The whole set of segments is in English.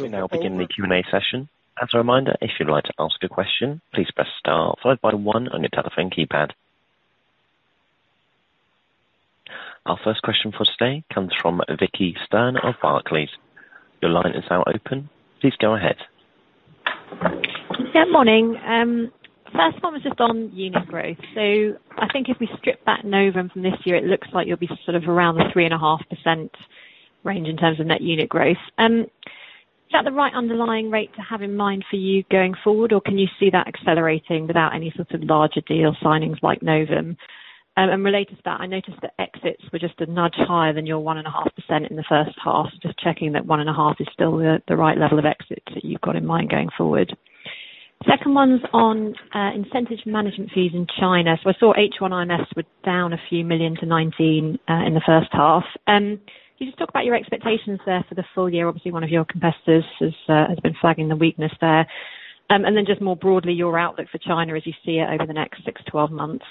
We now begin the Q&A session. As a reminder, if you'd like to ask a question, please press star followed by one on your telephone keypad. Our first question for today comes from Vicki Stern of Barclays. Your line is now open. Please go ahead. Yeah, morning. First one was just on unit growth. So I think if we strip out Novum from this year, it looks like you'll be sort of around the 3.5% range in terms of net unit growth. Is that the right underlying rate to have in mind for you going forward, or can you see that accelerating without any sort of larger deal signings like Novum? And related to that, I noticed that exits were just a nudge higher than your 1.5% in the first half. Just checking that 1.5% is still the right level of exits that you've got in mind going forward. Second one's on incentive management fees in China. So I saw H1 IMFs were down a few million to $19 million in the first half. Can you just talk about your expectations there for the full year? Obviously, one of your competitors has been flagging the weakness there. And then just more broadly, your outlook for China as you see it over the next six, 12 months.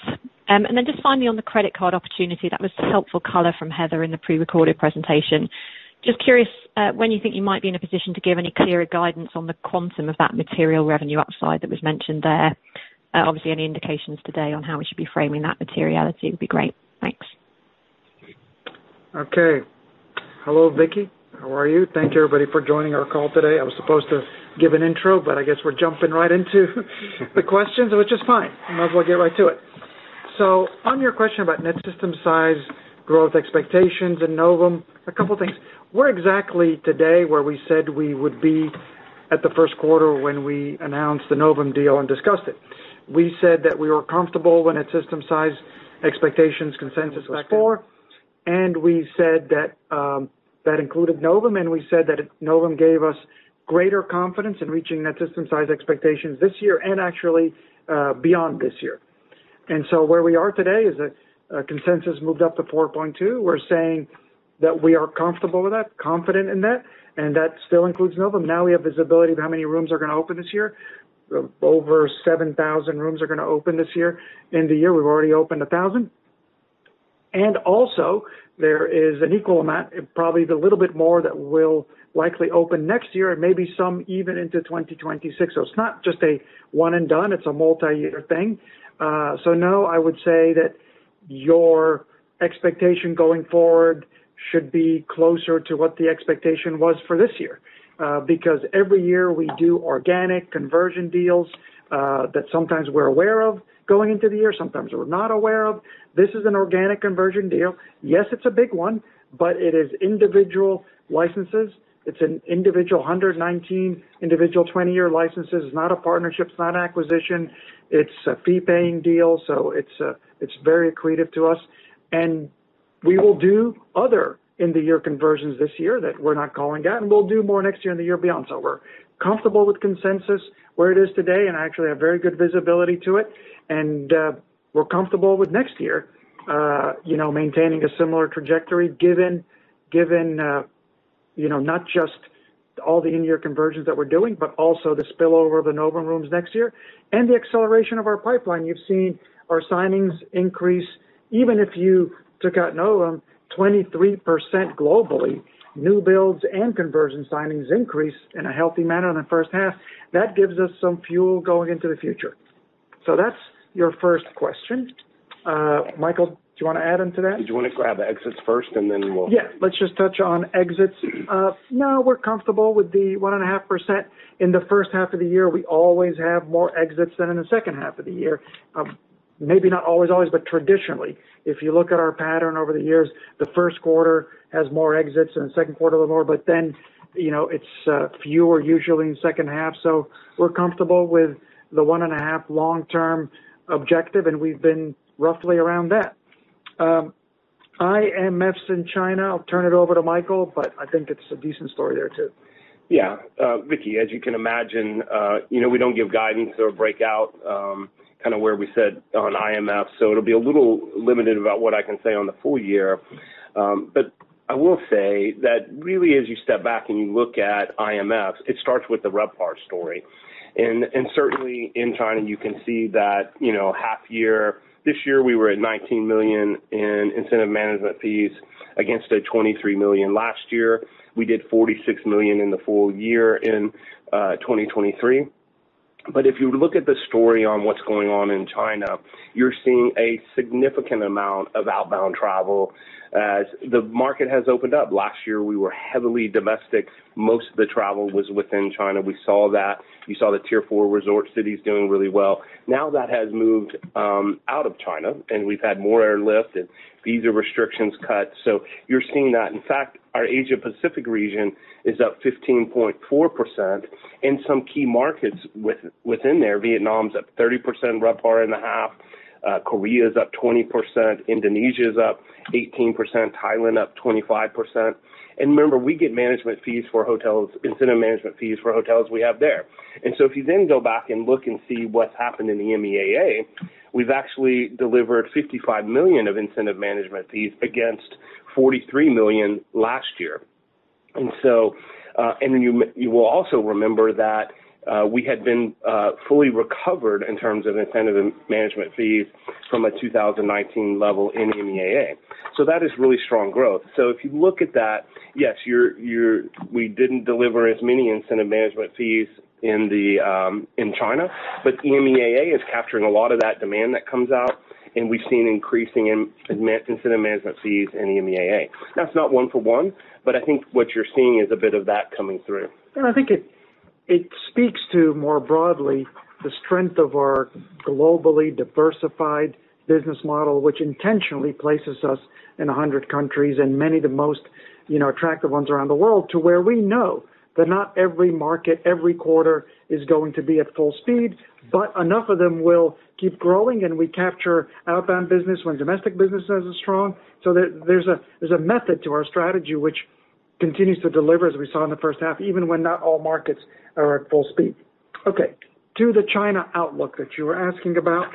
And then just finally, on the credit card opportunity, that was helpful color from Heather in the prerecorded presentation. Just curious, when you think you might be in a position to give any clearer guidance on the quantum of that material revenue upside that was mentioned there. Obviously, any indications today on how we should be framing that materiality would be great. Thanks. Okay. Hello, Vicki. How are you? Thank you, everybody, for joining our call today. I was supposed to give an intro, but I guess we're jumping right into the questions, which is fine. Might as well get right to it. So on your question about net system size, growth expectations and Novum, a couple things. We're exactly today where we said we would be at the first quarter when we announced the Novum deal and discussed it. We said that we were comfortable when net system size expectations consensus was 4, and we said that that included Novum, and we said that Novum gave us greater confidence in reaching net system size expectations this year and actually beyond this year. And so where we are today is that consensus moved up to 4.2. We're saying that we are comfortable with that, confident in that, and that still includes Novum. Now we have visibility of how many rooms are going to open this year. Over 7,000 rooms are gonna open this year. In the year, we've already opened 1,000. And also there is an equal amount, and probably a little bit more, that will likely open next year and maybe some even into 2026. So it's not just a one and done, it's a multi-year thing. So no, I would say that your expectation going forward should be closer to what the expectation was for this year. Because every year we do organic conversion deals that sometimes we're aware of going into the year, sometimes we're not aware of. This is an organic conversion deal. Yes, it's a big one, but it is individual licenses. It's 119 individual 20-year licenses. It's not a partnership, it's not an acquisition, it's a fee-paying deal, so it's very accretive to us. And we will do other in-year conversions this year that we're not calling out, and we'll do more next year and the year beyond. So we're comfortable with consensus where it is today, and actually have very good visibility to it. And we're comfortable with next year, you know, maintaining a similar trajectory given, you know, not just all the in-year conversions that we're doing, but also the spillover of the Novum rooms next year and the acceleration of our pipeline. You've seen our signings increase, even if you took out Novum, 23% globally. New builds and conversion signings increased in a healthy manner in the first half. That gives us some fuel going into the future. That's your first question. Michael, do you want to add into that? Did you want to grab exits first, and then we'll- Yeah, let's just touch on exits. No, we're comfortable with the 1.5%. In the first half of the year, we always have more exits than in the second half of the year. Maybe not always, always, but traditionally. If you look at our pattern over the years, the first quarter has more exits and the second quarter little more, but then, you know, it's fewer usually in the second half. So we're comfortable with the 1.5% long-term objective, and we've been roughly around that. IMFs in China, I'll turn it over to Michael, but I think it's a decent story there, too. Yeah. Vicki, as you can imagine, you know, we don't give guidance or breakout, kind of where we said on IMF, so it'll be a little limited about what I can say on the full year. But I will say that really, as you step back and you look at IMFs, it starts with the RevPAR story. And certainly in China, you can see that, you know, half year this year, we were at $19 million in incentive management fees against the $23 million last year. We did $46 million in the full year in 2023. But if you look at the story on what's going on in China, you're seeing a significant amount of outbound travel as the market has opened up. Last year, we were heavily domestic. Most of the travel was within China. We saw that. You saw the Tier 4 resort cities doing really well. Now that has moved out of China, and we've had more airlift and visa restrictions cut. So you're seeing that. In fact, our Asia Pacific region is up 15.4% in some key markets within there. Vietnam's up 30%, RevPAR in the half. Korea's up 20%, Indonesia's up 18%, Thailand up 25%. And remember, we get management fees for hotels—incentive management fees for hotels we have there. And so if you then go back and look and see what's happened in the EMEAA, we've actually delivered $55 million of incentive management fees against $43 million last year. And so, and then you will also remember that we had been fully recovered in terms of incentive and management fees from a 2019 level in EMEA. So that is really strong growth. So if you look at that, yes, you're, we didn't deliver as many incentive management fees in China, but EMEA is capturing a lot of that demand that comes out, and we've seen increasing in incentive management fees in EMEA. That's not one for one, but I think what you're seeing is a bit of that coming through. And I think it, it speaks to, more broadly, the strength of our globally diversified business model, which intentionally places us in 100 countries, and many of the most, you know, attractive ones around the world, to where we know that not every market, every quarter is going to be at full speed, but enough of them will keep growing, and we capture outbound business when domestic business isn't strong. So there, there's a, there's a method to our strategy, which continues to deliver, as we saw in the first half, even when not all markets are at full speed. Okay, to the China outlook that you were asking about.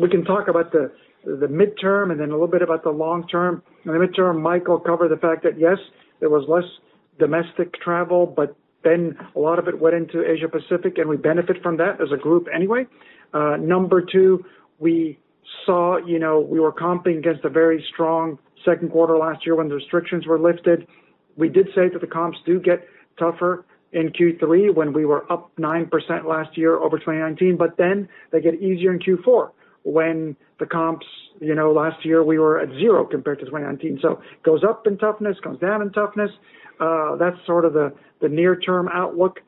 We can talk about the midterm and then a little bit about the long term. In the midterm, Michael covered the fact that, yes, there was less domestic travel, but then a lot of it went into Asia Pacific, and we benefit from that as a group anyway. Number 2, we saw, you know, we were comping against a very strong second quarter last year when the restrictions were lifted. We did say that the comps do get tougher in Q3 when we were up 9% last year over 2019, but then they get easier in Q4 when the comps, you know, last year we were at zero compared to 2019. So goes up in toughness, comes down in toughness. That's sort of the near-term outlook.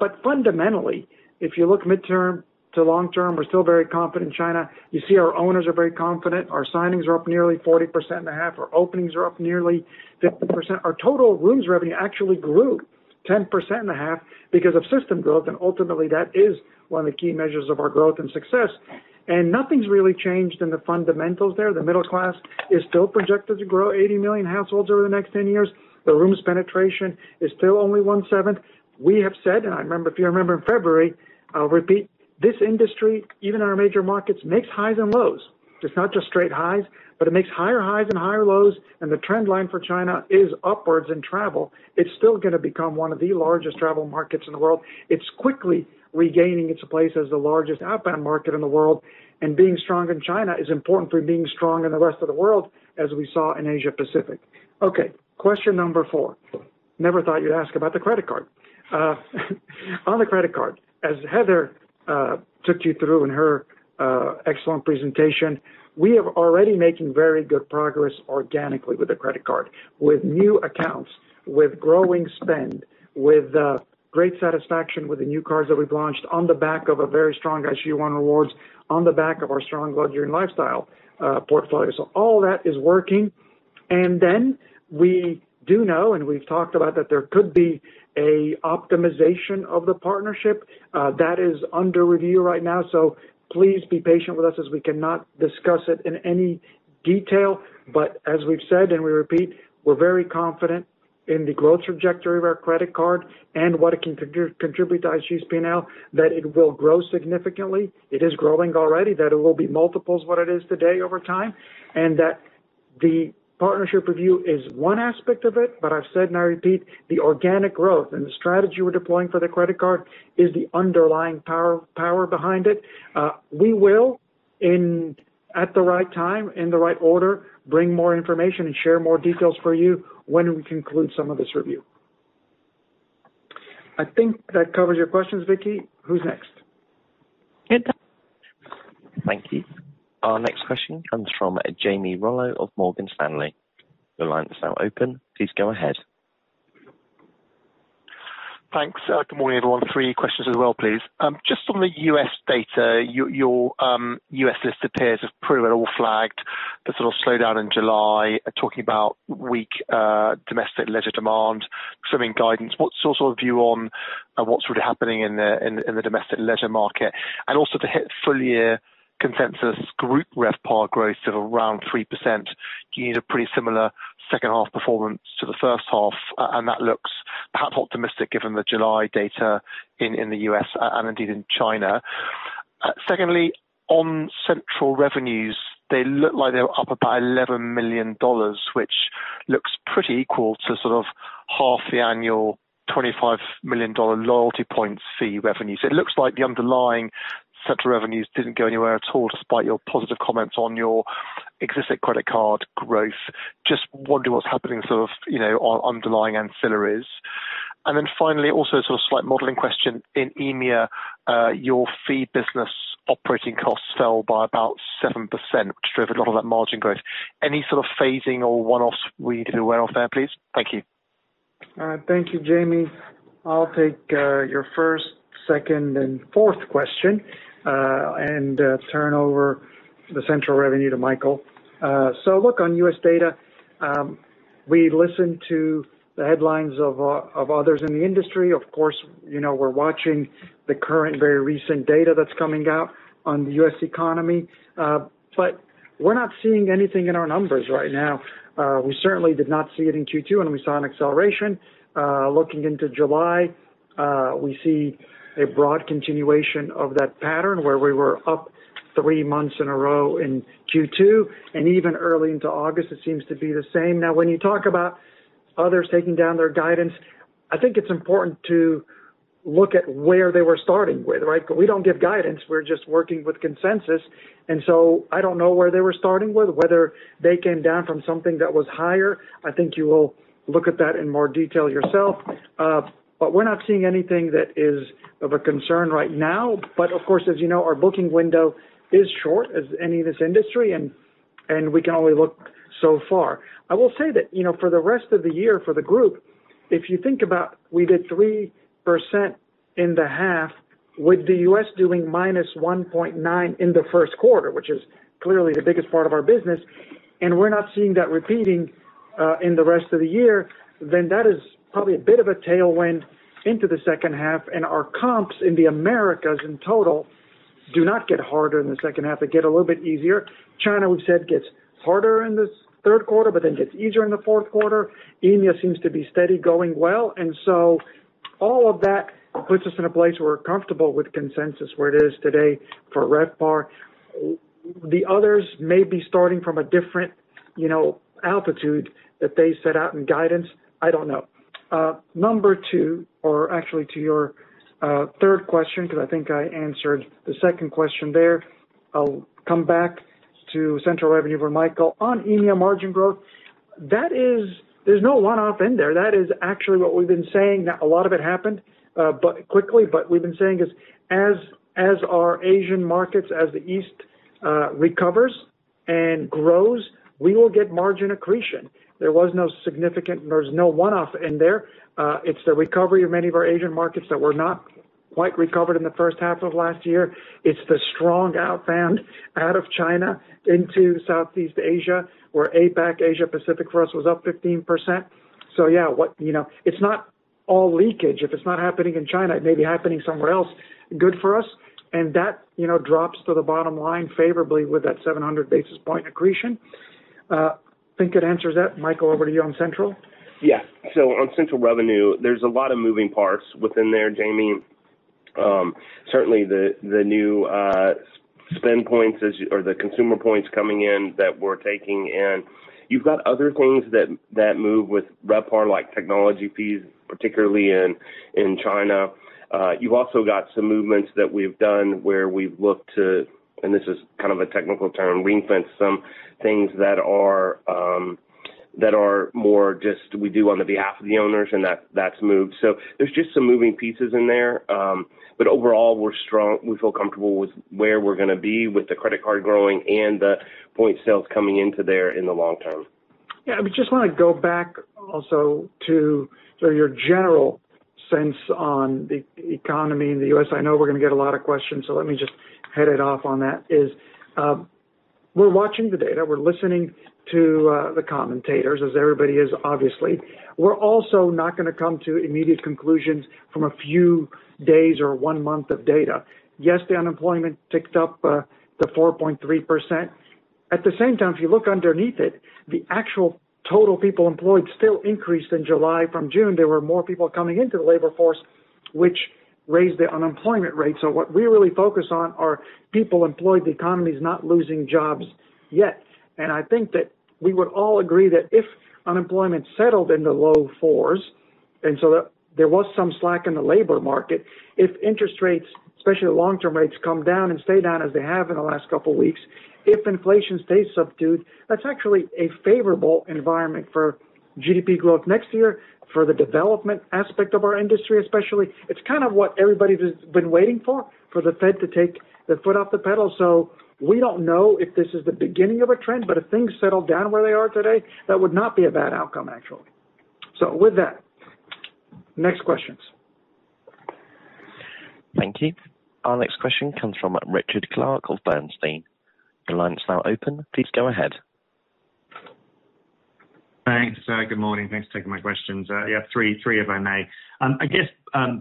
But fundamentally, if you look midterm to long term, we're still very confident in China. You see our owners are very confident. Our signings are up nearly 40.5%. Our openings are up nearly 50%. Our total rooms revenue actually grew 10.5% because of system growth, and ultimately, that is one of the key measures of our growth and success. Nothing's really changed in the fundamentals there. The middle class is still projected to grow 80 million households over the next 10 years. The rooms penetration is still only 1/7. We have said, and I remember, if you remember in February, I'll repeat, this industry, even in our major markets, makes highs and lows. It's not just straight highs, but it makes higher highs and higher lows, and the trend line for China is upwards in travel. It's still gonna become one of the largest travel markets in the world. It's quickly regaining its place as the largest outbound market in the world, and being strong in China is important for being strong in the rest of the world, as we saw in Asia Pacific. Okay, question number four. Never thought you'd ask about the credit card. On the credit card, as Heather took you through in her excellent presentation, we are already making very good progress organically with the credit card, with new accounts, with growing spend, with great satisfaction with the new cards that we've launched on the back of a very strong IHG One Rewards, on the back of our strong leisure and lifestyle portfolio. So all that is working. And then we do know, and we've talked about, that there could be a optimization of the partnership. That is under review right now, so please be patient with us, as we cannot discuss it in any detail. But as we've said, and we repeat, we're very confident in the growth trajectory of our credit card and what it can contribute to IHG's P&L, that it will grow significantly. It is growing already, that it will be multiples what it is today over time, and that the partnership review is one aspect of it. But I've said and I repeat, the organic growth and the strategy we're deploying for the credit card is the underlying power behind it. We will, in at the right time, in the right order, bring more information and share more details for you when we conclude some of this review. I think that covers your questions, Vicki. Who's next? Thank you. Our next question comes from Jamie Rollo of Morgan Stanley. Your line is now open. Please go ahead. Thanks. Good morning, everyone. Three questions as well, please. Just on the U.S. data, your U.S. listed peers have pretty well all flagged the sort of slowdown in July, talking about weak domestic leisure demand, softening guidance. What's your sort of view on what's really happening in the domestic leisure market? And also, to hit full-year consensus group RevPAR growth of around 3%, you need a pretty similar second half performance to the first half, and that looks perhaps optimistic, given the July data in the U.S., and indeed in China. Secondly, on central revenues, they look like they're up about $11 million, which looks pretty equal to sort of half the annual $25 million loyalty point fee revenues. It looks like the underlying central revenues didn't go anywhere at all, despite your positive comments on your existing credit card growth. Just wondering what's happening sort of, you know, on underlying ancillaries. And then finally, also a sort of slight modeling question: In EMEA, your fee business operating costs fell by about 7%, which drove a lot of that margin growth. Any sort of phasing or one-offs we need to be aware of there, please? Thank you. Thank you, Jamie. I'll take your first, second, and fourth question, and turn over the central revenue to Michael. So look, on U.S. data, we listened to the headlines of others in the industry. Of course, you know, we're watching the current, very recent data that's coming out on the U.S. economy, but we're not seeing anything in our numbers right now. We certainly did not see it in Q2, and we saw an acceleration, looking into July. We see a broad continuation of that pattern, where we were up three months in a row in Q2, and even early into August, it seems to be the same. Now, when you talk about others taking down their guidance, I think it's important to look at where they were starting with, right? We don't give guidance. We're just working with consensus. And so I don't know where they were starting with, whether they came down from something that was higher. I think you will look at that in more detail yourself. But we're not seeing anything that is of a concern right now. But of course, as you know, our booking window is short, as any of this industry, and we can only look so far. I will say that, you know, for the rest of the year, for the group, if you think about, we did 3% in the half, with the U.S. doing -1.9% in the first quarter, which is clearly the biggest part of our business, and we're not seeing that repeating in the rest of the year, then that is probably a bit of a tailwind into the second half, and our comps in the Americas in total do not get harder in the second half. They get a little bit easier. China, we've said, gets harder in the third quarter, but then gets easier in the fourth quarter. India seems to be steady, going well. And so all of that puts us in a place where we're comfortable with consensus, where it is today for RevPAR. The others may be starting from a different, you know, altitude that they set out in guidance. I don't know. Number two, or actually to your, third question, because I think I answered the second question there. I'll come back to Central Revenue for Michael. On India margin growth, that is, there's no one-off in there. That is actually what we've been saying. Now, a lot of it happened quickly, but we've been saying is, as, as our Asian markets, as the East, recovers and grows, we will get margin accretion. There was no significant, there's no one-off in there. It's the recovery of many of our Asian markets that were not quite recovered in the first half of last year. It's the strong outbound out of China into Southeast Asia, where APAC, Asia Pacific, for us, was up 15%. So yeah, what, you know... It's not all leakage. If it's not happening in China, it may be happening somewhere else. Good for us, and that, you know, drops to the bottom line favorably with that 700 basis point accretion. Think it answers that. Michael, over to you on Central. Yeah. So on Central Revenue, there's a lot of moving parts within there, Jamie. Certainly the new spend points, or the consumer points coming in that we're taking in. You've got other things that move with RevPAR, like technology fees, particularly in China. You've also got some movements that we've done where we've looked to, and this is kind of a technical term, ring-fence some things that are more just we do on behalf of the owners, and that's moved. So there's just some moving pieces in there. But overall, we're strong. We feel comfortable with where we're gonna be with the credit card growing and the point sales coming into there in the long term. Yeah, I just want to go back also to sort of your general sense on the economy in the U.S. I know we're going to get a lot of questions, so let me just head it off on that. We're watching the data. We're listening to the commentators, as everybody is, obviously. We're also not going to come to immediate conclusions from a few days or one month of data. Yes, the unemployment ticked up to 4.3%. At the same time, if you look underneath it, the actual total people employed still increased in July from June. There were more people coming into the labor force, which raised the unemployment rate. So what we really focus on are people employed. The economy is not losing jobs yet. I think that we would all agree that if unemployment settled in the low 4s, and so there was some slack in the labor market, if interest rates, especially the long-term rates, come down and stay down as they have in the last couple of weeks, if inflation stays subdued, that's actually a favorable environment for GDP growth next year, for the development aspect of our industry, especially. It's kind of what everybody has been waiting for, for the Fed to take the foot off the pedal. So we don't know if this is the beginning of a trend, but if things settle down where they are today, that would not be a bad outcome, actually. So with that, next questions. Thank you. Our next question comes from Richard Clarke of Bernstein. Your line is now open. Please go ahead. Thanks, good morning. Thanks for taking my questions. Yeah, three, three, if I may. I guess,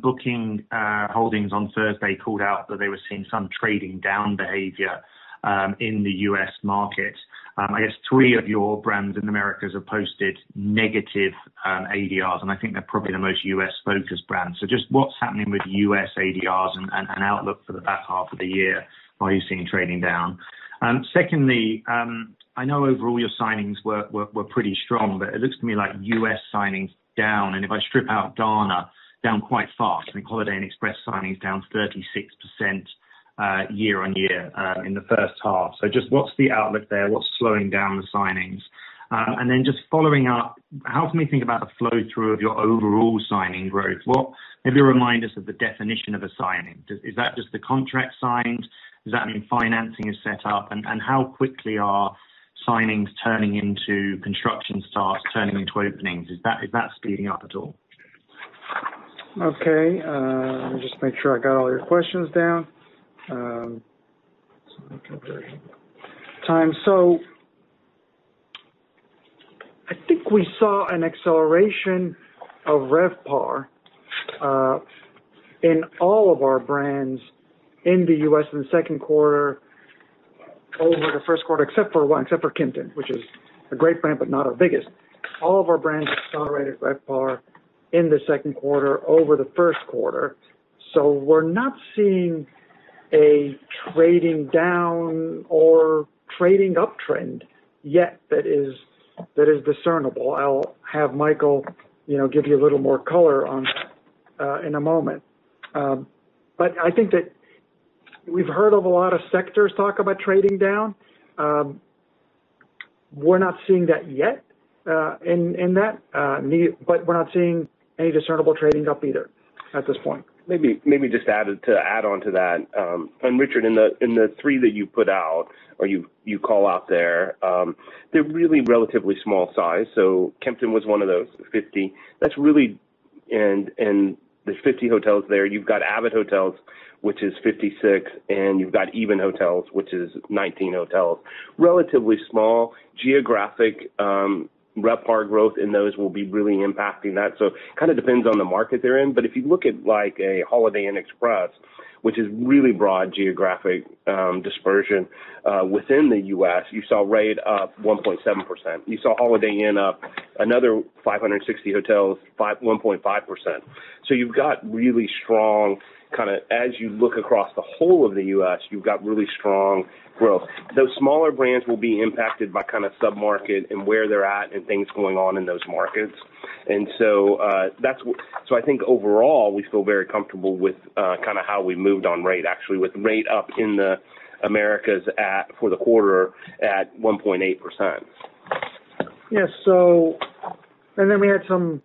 Booking Holdings on Thursday called out that they were seeing some trading down behavior in the US market. I guess three of your brands in Americas have posted negative ADRs, and I think they're probably the most U.S.-focused brands. So just what's happening with U.S. ADRs and outlook for the back half of the year, are you seeing trading down? Secondly, I know overall your signings were pretty strong, but it looks to me like U.S. signings down, and if I strip out Garner, down quite fast. I think Holiday Inn Express signing is down 36%, YoY, in the first half. So just what's the outlook there? What's slowing down the signings? And then just following up, help me think about the flow-through of your overall signing growth. What... Maybe remind us of the definition of a signing. Is that just the contract signed? Does that mean financing is set up? And how quickly are signings turning into construction starts, turning into openings? Is that speeding up at all? Okay, just make sure I got all your questions down. Conversion time. So I think we saw an acceleration of RevPAR in all of our brands in the U.S. in the second quarter over the first quarter, except for one, except for Kimpton, which is a great brand, but not our biggest. All of our brands accelerated RevPAR in the second quarter over the first quarter, so we're not seeing a trading down or trading uptrend yet that is, that is discernible. I'll have Michael, you know, give you a little more color on that in a moment. But I think that we've heard of a lot of sectors talk about trading down. We're not seeing that yet in that, but we're not seeing any discernible trading up either, at this point. Maybe, maybe just to add on to that, and Richard, in the three that you put out or you call out there, they're really relatively small size. So Kimpton was one of those 50. That's really - and there's 50 hotels there. You've got avid hotels, which is 56, and you've got EVEN Hotels, which is 19 hotels. Relatively small geographic RevPAR growth in those will be really impacting that. So kind of depends on the market they're in. But if you look at, like, a Holiday Inn Express, which is really broad geographic dispersion within the U.S., you saw rate up 1.7%. You saw Holiday Inn up another 560 hotels, 1.5%. So you've got really strong growth. As you look across the whole of the U.S., you've got really strong growth. Those smaller brands will be impacted by kind of submarket and where they're at and things going on in those markets. And so, that's what... So I think overall, we feel very comfortable with, kind of how we moved on rate, actually, with rate up in the Americas at, for the quarter, at 1.8%. Yes, so and then we had some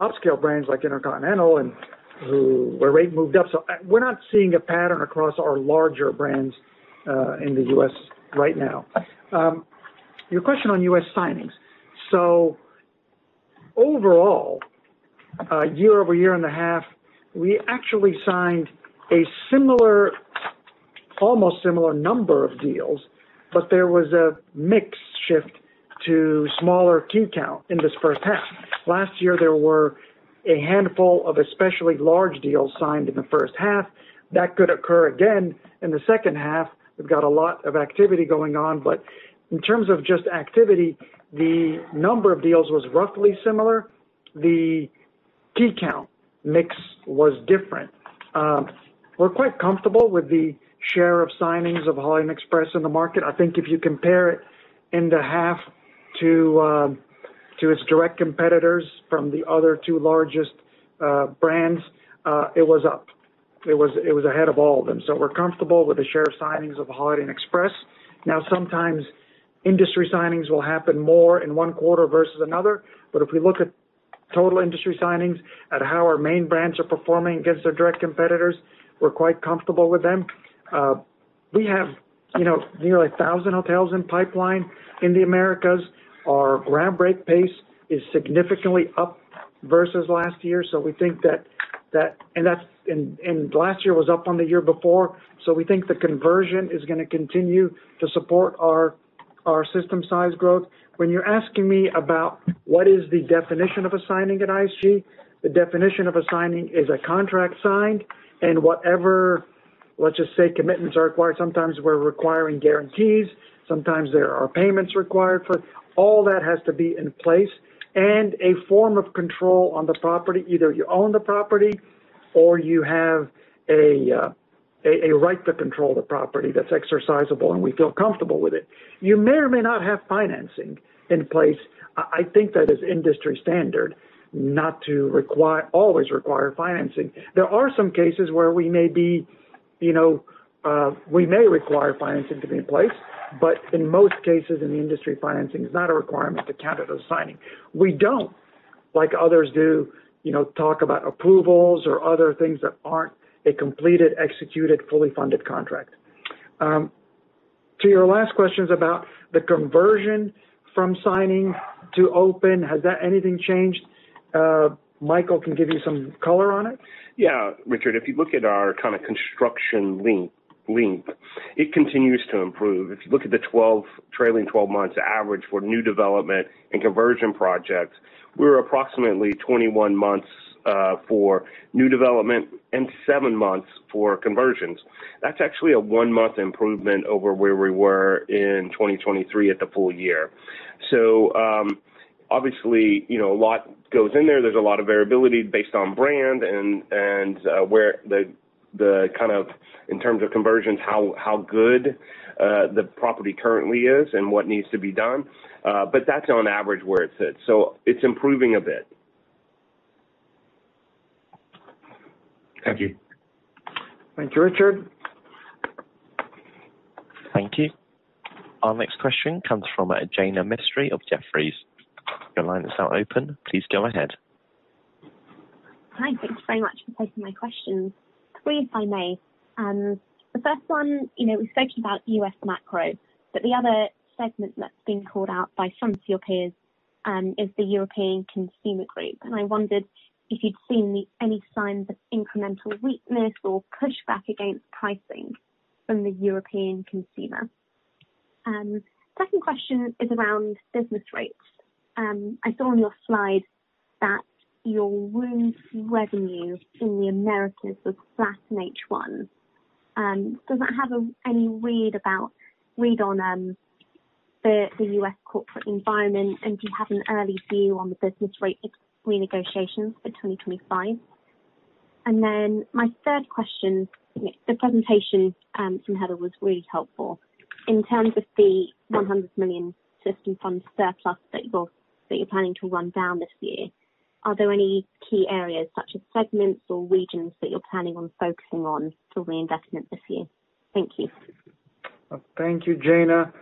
upscale brands like InterContinental, where rate moved up. So we're not seeing a pattern across our larger brands in the U.S. right now. Your question on U.S. signings. So overall, YoY in the first half, we actually signed a similar, almost similar number of deals, but there was a mix shift to smaller key count in this first half. Last year, there were a handful of especially large deals signed in the first half. That could occur again in the second half. We've got a lot of activity going on, but in terms of just activity, the number of deals was roughly similar. The key count mix was different. We're quite comfortable with the share of signings of Holiday Inn Express in the market. I think if you compare it in the half to, to its direct competitors from the other two largest, brands, it was up. It was, it was ahead of all of them. So we're comfortable with the share of signings of Holiday Inn Express. Now, sometimes industry signings will happen more in one quarter versus another, but if we look at total industry signings, at how our main brands are performing against their direct competitors, we're quite comfortable with them. We have, you know, nearly 1,000 hotels in pipeline in the Americas. Our ground break pace is significantly up versus last year, so we think that. And that's, and last year was up on the year before, so we think the conversion is going to continue to support our, our system size growth. When you're asking me about what is the definition of a signing at IHG, the definition of a signing is a contract signed and whatever, let's just say, commitments are required, sometimes we're requiring guarantees, sometimes there are payments required for. All that has to be in place and a form of control on the property. Either you own the property or you have a right to control the property that's exercisable, and we feel comfortable with it. You may or may not have financing in place. I, I think that is industry standard, not to require, always require financing. There are some cases where we may be, you know, we may require financing to be in place, but in most cases in the industry, financing is not a requirement to count it as a signing. We don't, like others do, you know, talk about approvals or other things that aren't a completed, executed, fully funded contract. To your last questions about the conversion from signing to open, has that anything changed? Michael can give you some color on it. Yeah, Richard, if you look at our kind of construction length, it continues to improve. If you look at the trailing twelve months average for new development and conversion projects, we're approximately 21 months for new development and 7 months for conversions. That's actually a 1-month improvement over where we were in 2023 at the full year. So, obviously, you know, a lot goes in there. There's a lot of variability based on brand and where the kind of, in terms of conversions, how good the property currently is and what needs to be done. But that's on average where it sits. So it's improving a bit. Thank you. Thank you, Richard. Thank you. Our next question comes from Jaina Mistry of Jefferies. Your line is now open. Please go ahead. Hi, thank you very much for taking my questions. Three, if I may. The first one, you know, we've spoken about U.S. macro, but the other segment that's been called out by some of your peers, is the European consumer group. And I wondered if you'd seen any signs of incremental weakness or pushback against pricing from the European consumer? Second question is around business rates. I saw on your slide that your room revenue in the Americas was flat in H1. Does that have any read about, read on, the U.S. corporate environment? And do you have an early view on the business rate renegotiations for 2025? And then my third question, the presentation from Heather was really helpful. In terms of the $100 million System Fund surplus that you're planning to run down this year, are there any key areas, such as segments or regions, that you're planning on focusing on for reinvestment this year? Thank you. Thank you, Jaina.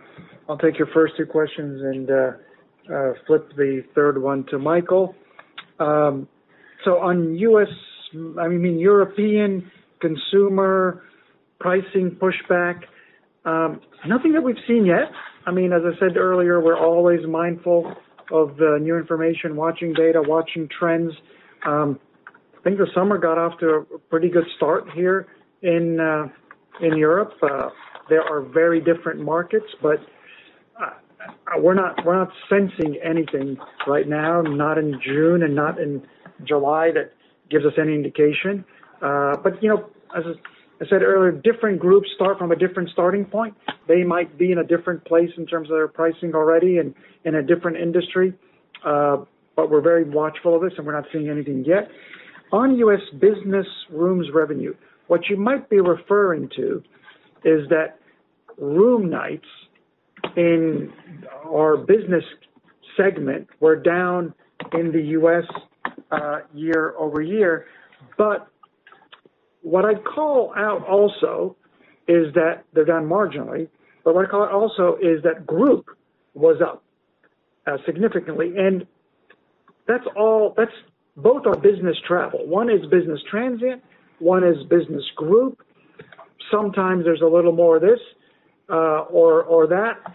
I'll take your first two questions and flip the third one to Michael. So on U.S., I mean, European consumer pricing pushback, nothing that we've seen yet. I mean, as I said earlier, we're always mindful of the new information, watching data, watching trends. I think the summer got off to a pretty good start here in Europe. There are very different markets, but we're not sensing anything right now, not in June and not in July, that gives us any indication. But you know, as I said earlier, different groups start from a different starting point. They might be in a different place in terms of their pricing already and in a different industry, but we're very watchful of this, and we're not seeing anything yet. On U.S. business rooms revenue, what you might be referring to is that room nights in our business segment were down in the U.S., YoY. But what I'd call out also is that they're down marginally, but what I'd call out also is that group was up significantly, and that's all, that's both are business travel. One is business transient, one is business group. Sometimes there's a little more of this, or that.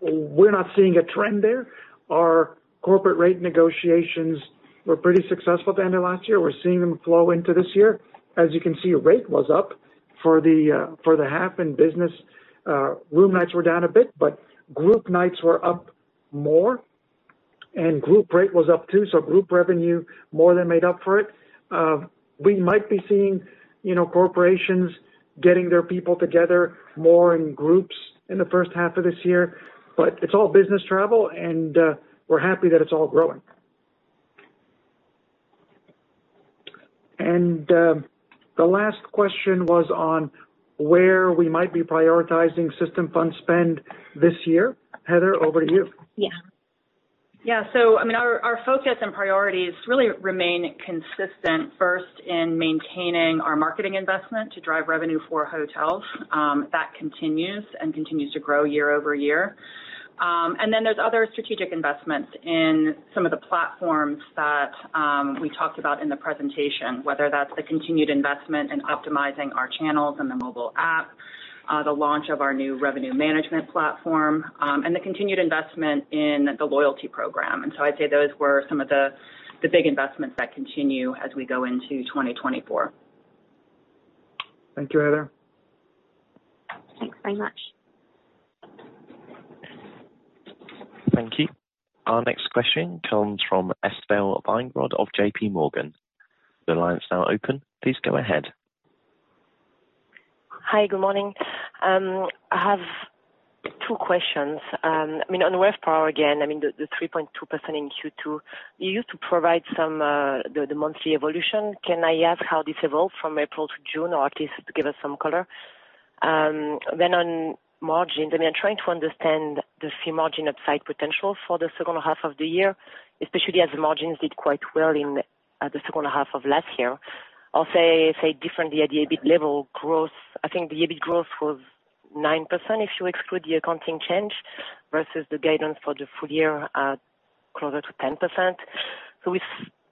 We're not seeing a trend there. Our corporate rate negotiations were pretty successful at the end of last year. We're seeing them flow into this year. As you can see, rate was up for the half in business. Room nights were down a bit, but group nights were up more, and group rate was up, too, so group revenue more than made up for it. We might be seeing, you know, corporations getting their people together more in groups in the first half of this year, but it's all business travel, and we're happy that it's all growing. The last question was on where we might be prioritizing System Fund spend this year. Heather, over to you. Yeah. Yeah, so I mean, our focus and priorities really remain consistent, first in maintaining our marketing investment to drive revenue for hotels. That continues and continues to grow YoY. And then there's other strategic investments in some of the platforms that we talked about in the presentation, whether that's the continued investment in optimizing our channels and the mobile app, the launch of our new revenue management platform, and the continued investment in the loyalty program. And so I'd say those were some of the big investments that continue as we go into 2024. Thank you, Heather. Thanks very much. Thank you. Our next question comes from Estelle Weingrod of J.P. Morgan. The line's now open. Please go ahead. Hi, good morning. I have two questions. I mean, on RevPAR, again, I mean, the 3.2% in Q2, you used to provide some, the monthly evolution. Can I ask how this evolved from April to June, or at least give us some color? Then on margins, I mean, I'm trying to understand the fee margin upside potential for the second half of the year, especially as the margins did quite well in, the second half of last year, or say differently, at the EBIT level growth. I think the EBIT growth was 9% if you exclude the accounting change, versus the guidance for the full year at closer to 10%. So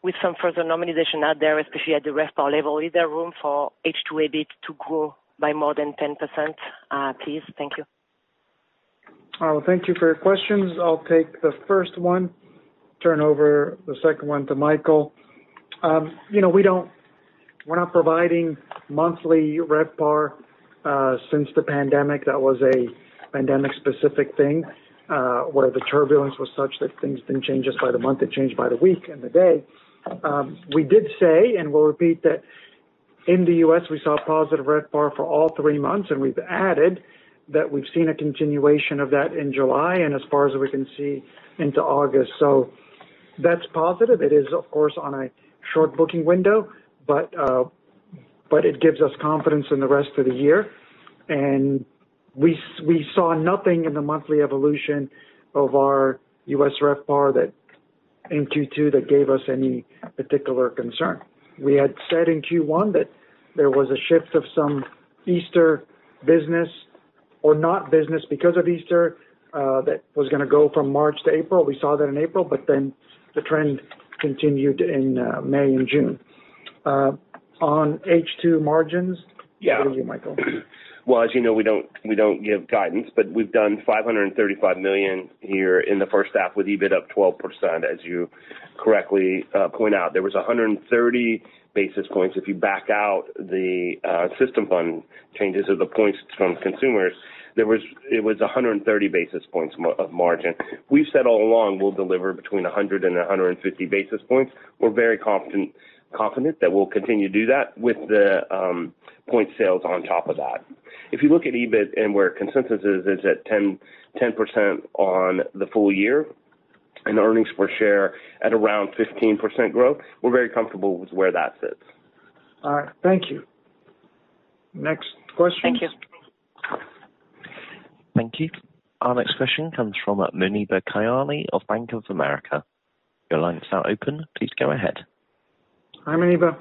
with some further normalization out there, especially at the RevPAR level, is there room for H2 EBIT to grow by more than 10%, please? Thank you. Thank you for your questions. I'll take the first one, turn over the second one to Michael. You know, we're not providing monthly RevPAR since the pandemic. That was a pandemic-specific thing, where the turbulence was such that things didn't change just by the month, it changed by the week and the day. We did say, and we'll repeat, that in the U.S., we saw a positive RevPAR for all three months, and we've added that we've seen a continuation of that in July and as far as we can see into August. So that's positive. It is, of course, on a short booking window, but it gives us confidence in the rest of the year. And we saw nothing in the monthly evolution of our U.S. RevPAR that, in Q2, that gave us any particular concern. We had said in Q1 that there was a shift of some Easter business or not business because of Easter, that was gonna go from March to April. We saw that in April, but then the trend continued in May and June. On H2 margins - Yeah. Over to you, Michael. Well, as you know, we don't, we don't give guidance, but we've done $535 million here in the first half, with EBIT up 12%, as you correctly point out. There was 130 basis points if you back out the System Fund changes of the points from consumers. It was 130 basis points of margin. We've said all along we'll deliver between 100 and 150 basis points. We're very confident, confident that we'll continue to do that with the point sales on top of that. If you look at EBIT and where consensus is, it's at 10, 10% on the full year and earnings per share at around 15% growth, we're very comfortable with where that sits. All right. Thank you. Next question? Thank you. Thank you. Our next question comes from, Muneeba Kayani of Bank of America. Your line is now open, please go ahead. Hi, Muneeba.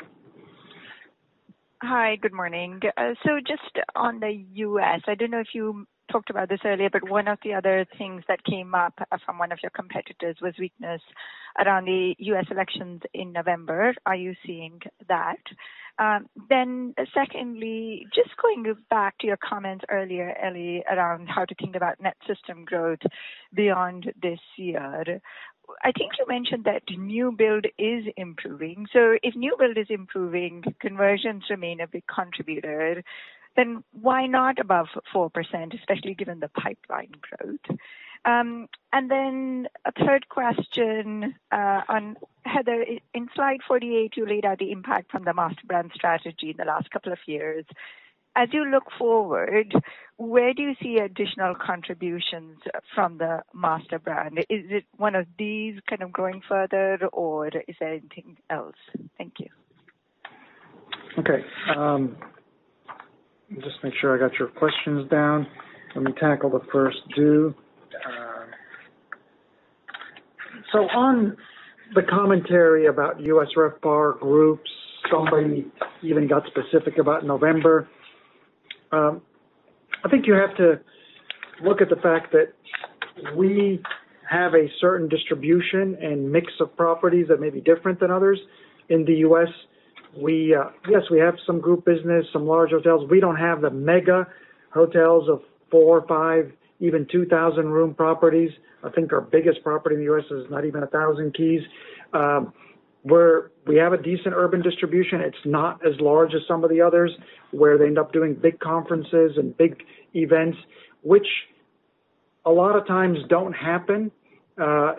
Hi, good morning. So just on the US, I don't know if you talked about this earlier, but one of the other things that came up from one of your competitors was weakness around the U.S. elections in November. Are you seeing that? Then secondly, just going back to your comments earlier, Elie, around how to think about net system growth beyond this year. I think you mentioned that new build is improving. So if new build is improving, conversions remain a big contributor, then why not above 4%, especially given the pipeline growth? And then a third question, on Heather. In slide 48, you laid out the impact from the master brand strategy in the last couple of years. As you look forward, where do you see additional contributions from the master brand? Is it one of these kind of going further, or is there anything else? Thank you. Okay. Just make sure I got your questions down. Let me tackle the first two. So on the commentary about U.S. RevPAR groups, somebody even got specific about November. I think you have to look at the fact that we have a certain distribution and mix of properties that may be different than others in the U.S. We, yes, we have some group business, some large hotels. We don't have the mega hotels of four, five, even 2,000 room properties. I think our biggest property in the U.S. is not even 1,000 keys. We have a decent urban distribution. It's not as large as some of the others, where they end up doing big conferences and big events, which a lot of times don't happen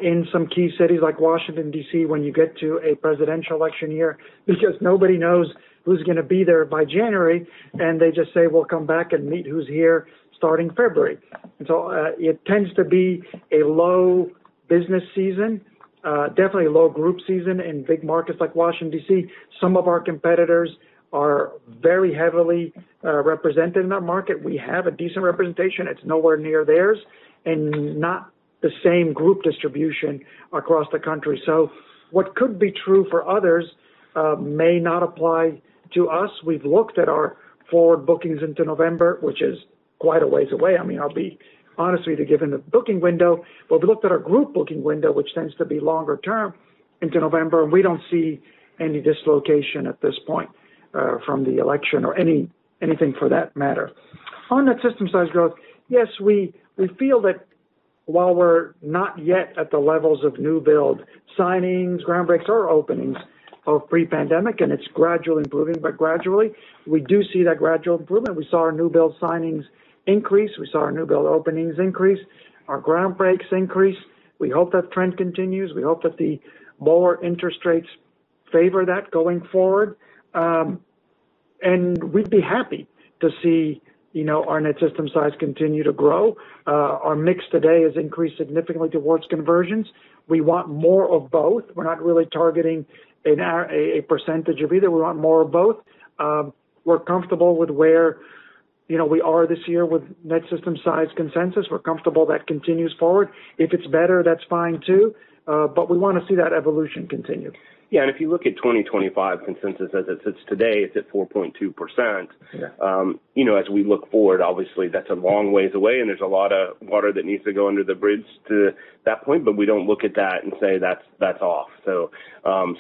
in some key cities like Washington, D.C., when you get to a presidential election year, because nobody knows who's gonna be there by January, and they just say, "Well, come back and meet who's here starting February." And so, it tends to be a low business season, definitely a low group season in big markets like Washington, D.C. Some of our competitors are very heavily represented in that market. We have a decent representation, it's nowhere near theirs, and not the same group distribution across the country. So what could be true for others may not apply to us. We've looked at our forward bookings into November, which is quite a ways away. I mean, I'll be honest, to give them the booking window. But we looked at our group booking window, which tends to be longer term into November, and we don't see any dislocation at this point from the election or anything for that matter. On that system size growth, yes, we, we feel that while we're not yet at the levels of new build signings, ground breaks or openings of pre-pandemic, and it's gradually improving, but gradually, we do see that gradual improvement. We saw our new build signings increase, we saw our new build openings increase, our ground breaks increase. We hope that trend continues. We hope that the lower interest rates favor that going forward. And we'd be happy to see, you know, our net system size continue to grow. Our mix today has increased significantly towards conversions. We want more of both. We're not really targeting a percentage of either. We want more of both. We're comfortable with where, you know, we are this year with net system size consensus. We're comfortable that continues forward. If it's better, that's fine too, but we wanna see that evolution continue. Yeah, and if you look at 2025 consensus, as it sits today, it's at 4.2%. Yeah. You know, as we look forward, obviously, that's a long ways away, and there's a lot of water that needs to go under the bridge to that point, but we don't look at that and say, "That's off." So,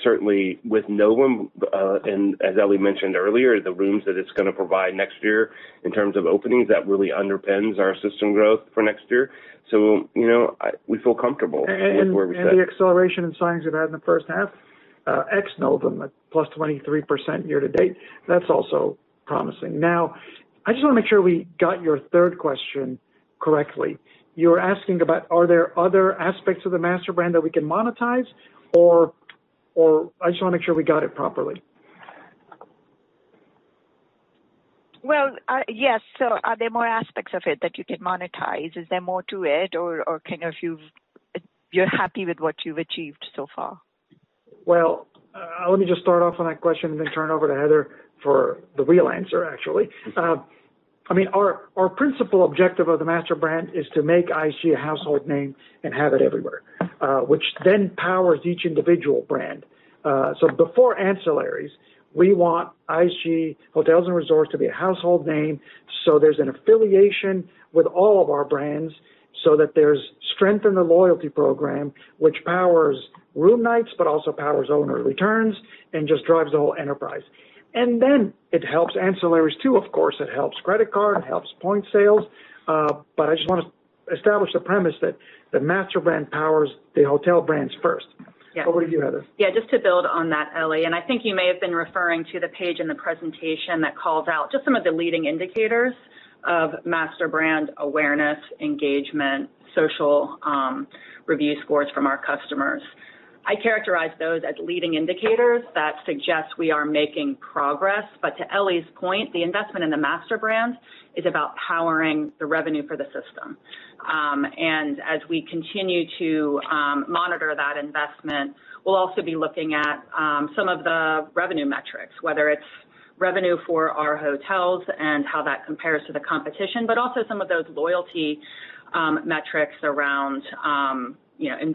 certainly with Novum, and as Elie mentioned earlier, the rooms that it's gonna provide next year in terms of openings, that really underpins our system growth for next year. So, you know, we feel comfortable with where we sit. And the acceleration and signings we've had in the first half, ex Novum at +23% year to date, that's also promising. Now, I just wanna make sure we got your third question correctly. You're asking about, are there other aspects of the master brand that we can monetize or, or I just wanna make sure we got it properly? Well, yes. So are there more aspects of it that you can monetize? Is there more to it, or, or kind of you've—you're happy with what you've achieved so far? Well, let me just start off on that question and then turn it over to Heather for the real answer, actually. I mean, our, our principal objective of the master brand is to make IHG a household name and have it everywhere, which then powers each individual brand. So before ancillaries, we want IHG Hotels and Resorts to be a household name, so there's an affiliation with all of our brands, so that there's strength in the loyalty program, which powers room nights, but also powers owner returns and just drives the whole enterprise. And then it helps ancillaries, too. Of course, it helps credit card, it helps point sales, but I just want to establish the premise that the master brand powers the hotel brands first. Yeah. Over to you, Heather. Yeah, just to build on that, Elie, and I think you may have been referring to the page in the presentation that calls out just some of the leading indicators of master brand awareness, engagement, social, review scores from our customers. I characterize those as leading indicators that suggest we are making progress. But to Elie's point, the investment in the master brand is about powering the revenue for the system. And as we continue to monitor that investment, we'll also be looking at some of the revenue metrics, whether it's revenue for our hotels and how that compares to the competition, but also some of those loyalty metrics around, you know, in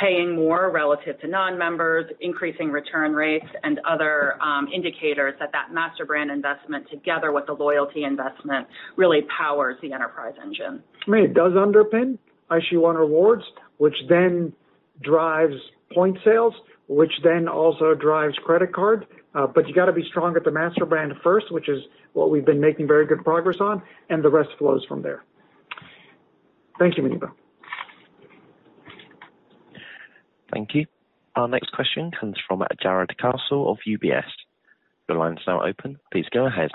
paying more relative to non-members, increasing return rates and other indicators that, that master brand investment, together with the loyalty investment, really powers the enterprise engine. I mean, it does underpin IHG One Rewards, which then drives point sales, which then also drives credit card. But you got to be strong at the master brand first, which is what we've been making very good progress on, and the rest flows from there. Thank you, Muneeba. Thank you. Our next question comes from Jarrod Castle of UBS. Your line is now open. Please go ahead.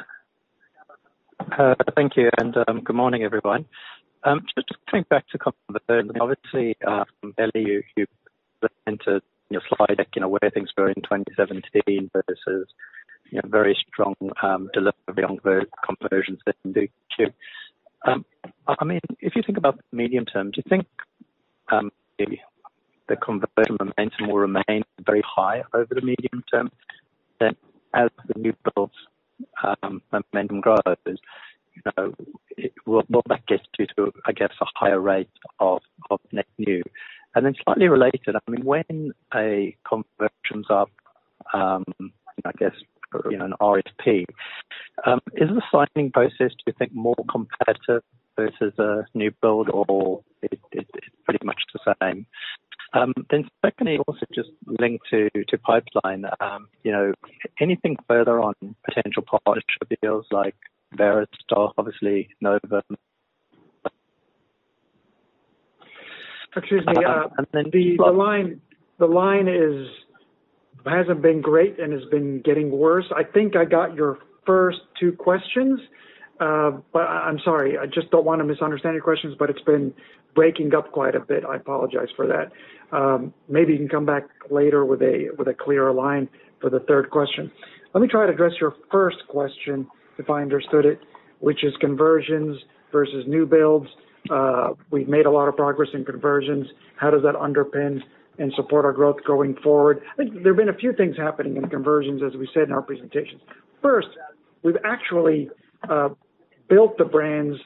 Thank you, and good morning, everyone. Just coming back to conversions, obviously, from Elie, you entered your slide deck, you know, where things were in 2017 versus, you know, very strong delivery on the conversions that you do. I mean, if you think about the medium term, do you think the conversion momentum will remain very high over the medium term, then as the new builds momentum grows, you know, will that get you to, I guess, a higher rate of net new? And then slightly related, I mean, when a conversion's up, I guess, you know, an RFP is the signing process, do you think more competitive versus a new build, or it's pretty much the same? Secondly, also just linked to pipeline, you know, anything further on potential partnership deals like Iberostar, obviously, Novum? Excuse me, the line hasn't been great and has been getting worse. I think I got your first two questions, but I'm sorry, I just don't want to misunderstand your questions, but it's been breaking up quite a bit. I apologize for that. Maybe you can come back later with a clearer line for the third question. Let me try to address your first question, if I understood it, which is conversions versus new builds. We've made a lot of progress in conversions. How does that underpin and support our growth going forward? I think there have been a few things happening in conversions, as we said in our presentations. First, we've actually built the brands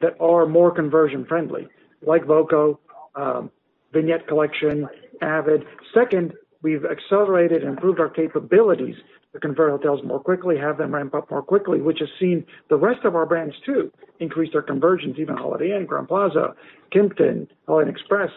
that are more conversion friendly, like voco, Vignette Collection, avid. Second, we've accelerated and improved our capabilities to convert hotels more quickly, have them ramp up more quickly, which has seen the rest of our brands, too, increase their conversions, even Holiday Inn, Crowne Plaza, Kimpton, Holiday Inn Express,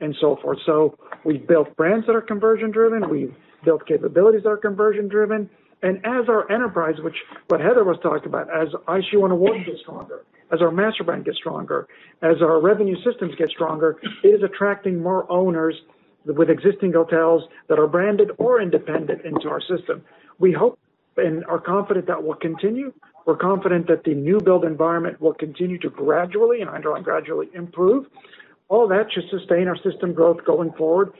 and so forth. So we've built brands that are conversion driven. We've built capabilities that are conversion driven. And as our enterprise, which what Heather was talking about, as IHG One Rewards gets stronger, as our master brand gets stronger, as our revenue systems get stronger, it is attracting more owners with existing hotels that are branded or independent into our system. We hope and are confident that will continue. We're confident that the new build environment will continue to gradually, and I draw gradually, improve. All that should sustain our system growth going forward.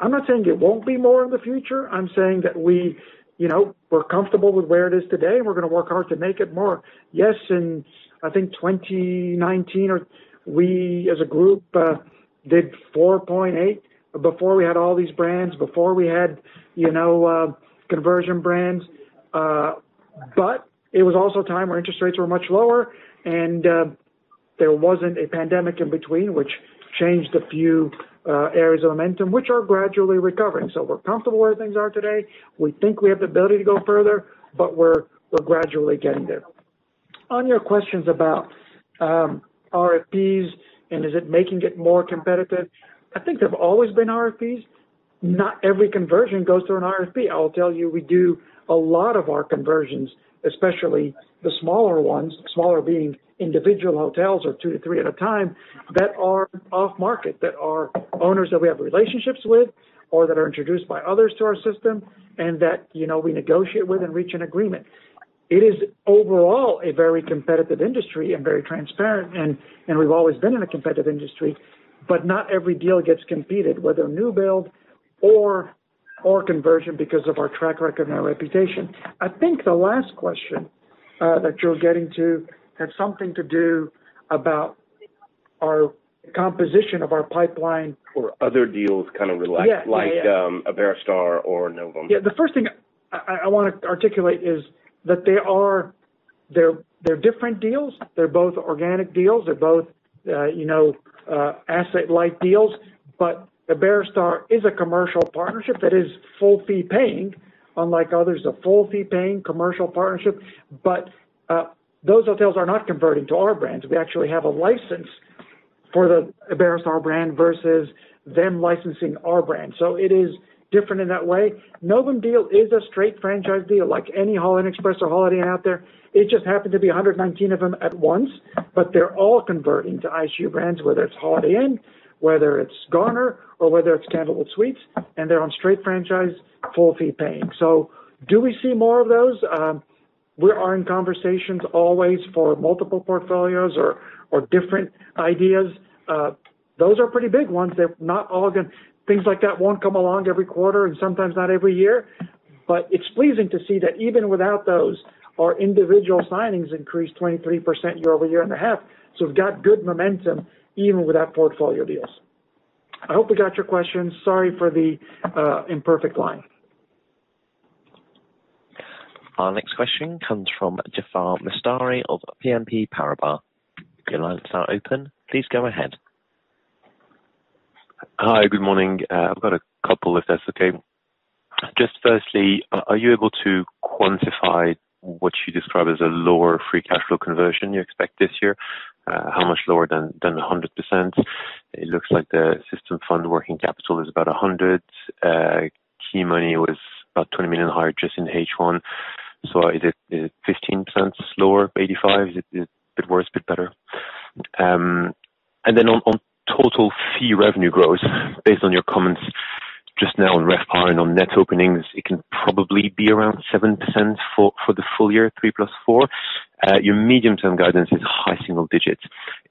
I'm not saying it won't be more in the future. I'm saying that we, you know, we're comfortable with where it is today, and we're going to work hard to make it more. Yes, in I think 2019 or we as a group did 4.8 before we had all these brands, before we had, you know, conversion brands, but it was also a time where interest rates were much lower, and there wasn't a pandemic in between, which changed a few areas of momentum, which are gradually recovering. So we're comfortable where things are today. We think we have the ability to go further, but we're gradually getting there. On your questions about RFPs and is it making it more competitive? I think there have always been RFPs. Not every conversion goes through an RFP. I will tell you, we do a lot of our conversions, especially the smaller ones, smaller being individual hotels or two to three at a time, that are off market, that are owners that we have relationships with or that are introduced by others to our system and that, you know, we negotiate with and reach an agreement. It is overall a very competitive industry and very transparent, and we've always been in a competitive industry, but not every deal gets competed, whether new build or conversion, because of our track record and our reputation. I think the last question that you're getting to had something to do about our composition of our pipeline or- Other deals, kind of like- Yeah. like, Iberostar or Novum. Yeah, the first thing I want to articulate is that they are, they're different deals. They're both organic deals. They're both, you know, asset-light deals. But Iberostar is a commercial partnership that is full fee paying, unlike others, a full fee paying commercial partnership. But those hotels are not converting to our brands. We actually have a license for the Iberostar brand versus them licensing our brand. So it is different in that way. Novum deal is a straight franchise deal, like any Holiday Inn Express or Holiday Inn out there. It just happened to be 119 of them at once, but they're all converting to IHG brands, whether it's Holiday Inn, whether it's Garner, or whether it's Candlewood Suites, and they're on straight franchise, full fee paying. So do we see more of those? We are in conversations always for multiple portfolios or different ideas. Those are pretty big ones. They're not all gonna—things like that won't come along every quarter and sometimes not every year. But it's pleasing to see that even without those, our individual signings increased 23% YoY and a half. So we've got good momentum even without portfolio deals. I hope we got your questions. Sorry for the imperfect line. Our next question comes from Jaafar Mestari of BNP Paribas. Your line is now open. Please go ahead. Hi, good morning. I've got a couple, if that's okay. Just firstly, are you able to quantify what you describe as a lower free cash flow conversion you expect this year? How much lower than 100%? It looks like the System Fund working capital is about $100 million. Key money was about $20 million higher just in H1, so is it 15% lower, 85%? Is it a bit worse, a bit better? And then on total fee revenue growth, based on your comments just now on RevPAR and on net openings, it can probably be around 7% for the full year, 3% + 4%. Your medium-term guidance is high single digits.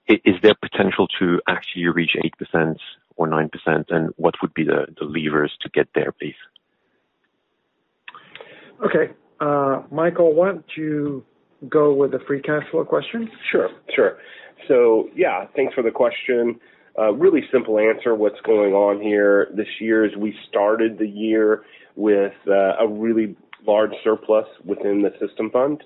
Is there potential to actually reach 8% or 9%? And what would be the levers to get there, please? Okay. Michael, why don't you go with the free cash flow question? Sure, sure. So yeah, thanks for the question. A really simple answer. What's going on here this year is we started the year with a really large surplus within the System Fund.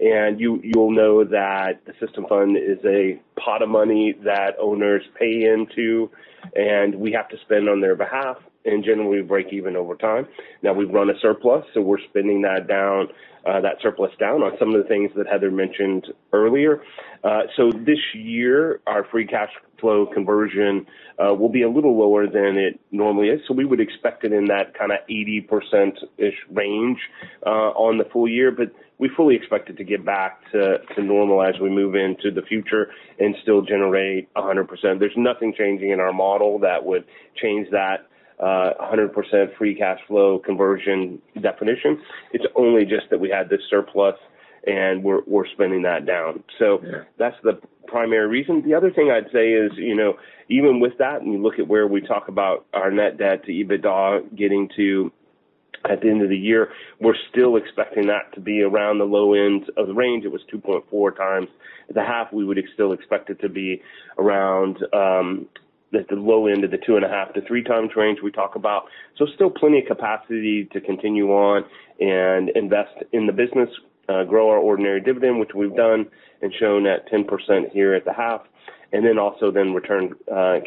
And you, you'll know that the System Fund is a pot of money that owners pay into, and we have to spend on their behalf, and generally, we break even over time. Now, we've run a surplus, so we're spending that down, that surplus down on some of the things that Heather mentioned earlier. So this year, our free cash flow conversion will be a little lower than it normally is. So we would expect it in that kind of 80%-ish range on the full year, but we fully expect it to get back to, to normal as we move into the future and still generate 100%. There's nothing changing in our model that would change that, 100% free cash flow conversion definition. It's only just that we had this surplus, and we're spending that down. Yeah. So that's the primary reason. The other thing I'd say is, you know, even with that, and you look at where we talk about our net debt to EBITDA getting to at the end of the year, we're still expecting that to be around the low end of the range. It was 2.4 times at the half. We would still expect it to be around at the low end of the 2.5-3 times range we talk about. So still plenty of capacity to continue on and invest in the business, grow our ordinary dividend, which we've done, and shown at 10% here at the half, and then also then return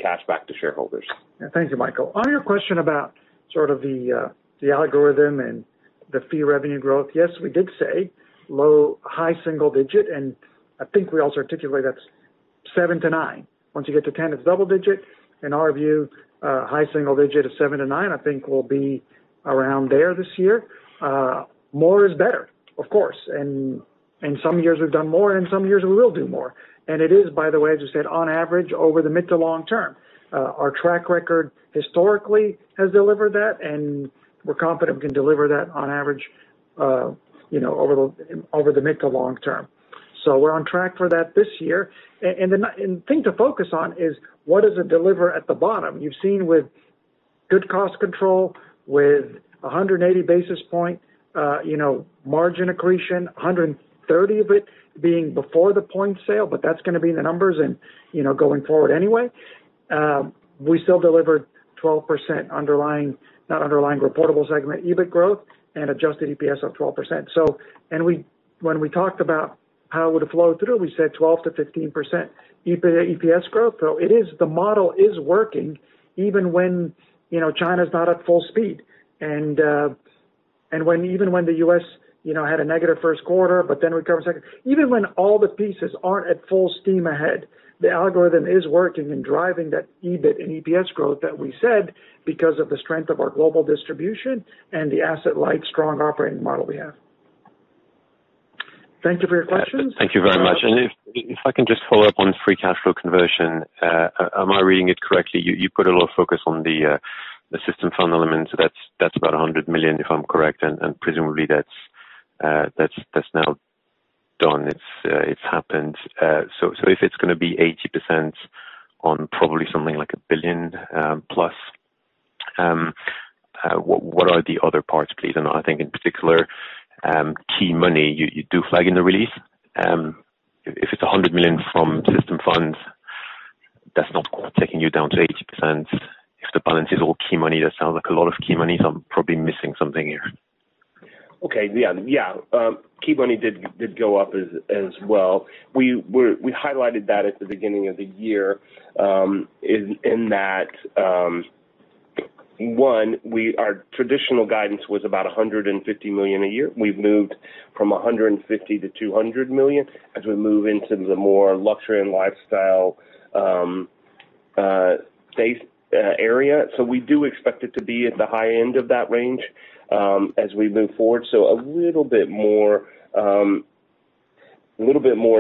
cash back to shareholders. Thank you, Michael. On your question about sort of the, the algorithm and the fee revenue growth, yes, we did say low, high single digit, and I think we also articulated that's 7-9. Once you get to 10, it's double digit. In our view, high single digit is 7-9, I think we'll be around there this year. More is better, of course, and some years we've done more, and some years we will do more. And it is, by the way, as you said, on average, over the mid to long term. Our track record historically has delivered that, and we're confident we can deliver that on average, you know, over the mid to long term. So we're on track for that this year. And the thing to focus on is what does it deliver at the bottom? You've seen with good cost control, with 180 basis points, you know, margin accretion, 130 of it being before the points sale, but that's gonna be in the numbers and, you know, going forward anyway. We still delivered 12% underlying, not underlying, reportable segment EBIT growth and adjusted EPS of 12%. So and we when we talked about how it would flow through, we said 12%-15% EPS growth. So it is, the model is working even when, you know, China's not at full speed. And, and when, even when the US, you know, had a negative first quarter, but then recovered second. Even when all the pieces aren't at full steam ahead, the algorithm is working and driving that EBIT and EPS growth that we said, because of the strength of our global distribution and the asset-light, strong operating model we have. Thank you for your questions. Thank you very much. And if I can just follow up on free cash flow conversion, am I reading it correctly? You put a lot of focus on the System Fund element, so that's about $100 million, if I'm correct, and presumably that's now done. It's happened. So if it's gonna be 80% on probably something like $1 billion+, what are the other parts, please? And I think in particular, key money, you do flag in the release. If it's $100 million from System Funds, that's not taking you down to 80%. If the balance is all key money, that sounds like a lot of key money, so I'm probably missing something here. Okay. Yeah, yeah. Key money did go up as well. We highlighted that at the beginning of the year, in that one, our traditional guidance was about $150 million a year. We've moved from $150 million-$200 million as we move into the more luxury and lifestyle base area. So we do expect it to be at the high end of that range as we move forward. So a little bit more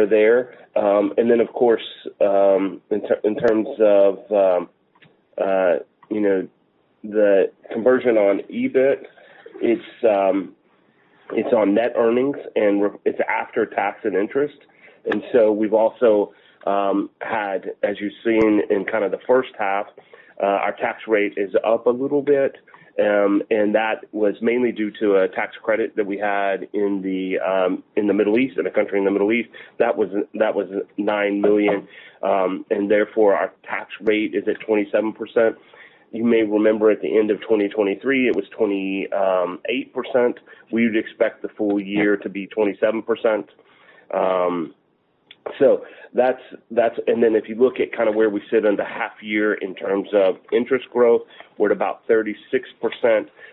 there. And then, of course, in terms of, you know, the conversion on EBIT, it's on net earnings, and it's after tax and interest. We've also had, as you've seen in kind of the first half, our tax rate is up a little bit. That was mainly due to a tax credit that we had in the in the Middle East, in a country in the Middle East. That was $9 million, and therefore, our tax rate is at 27%. You may remember, at the end of 2023, it was 20.8%. We'd expect the full year to be 27%. So that's – and then if you look at kind of where we sit on the half year in terms of interest growth, we're at about 36%,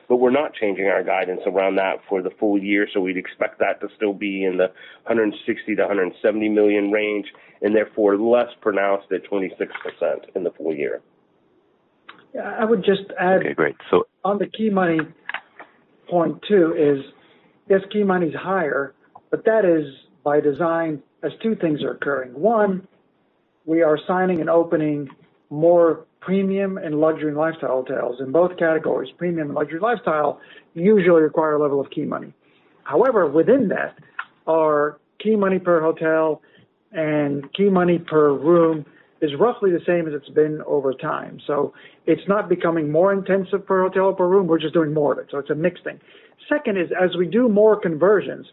but we're not changing our guidance around that for the full year, so we'd expect that to still be in the $160-170 million range, and therefore, less pronounced at 26% in the full year. Yeah, I would just add- Okay, great. On the key money point, too, is, yes, key money is higher, but that is by design, as two things are occurring. One, we are signing and opening more premium and luxury and lifestyle hotels. In both categories, premium and luxury lifestyle usually require a level of key money. However, within that, our key money per hotel and key money per room is roughly the same as it's been over time. So it's not becoming more intensive per hotel or per room. We're just doing more of it, so it's a mixed thing. Second is, as we do more conversions,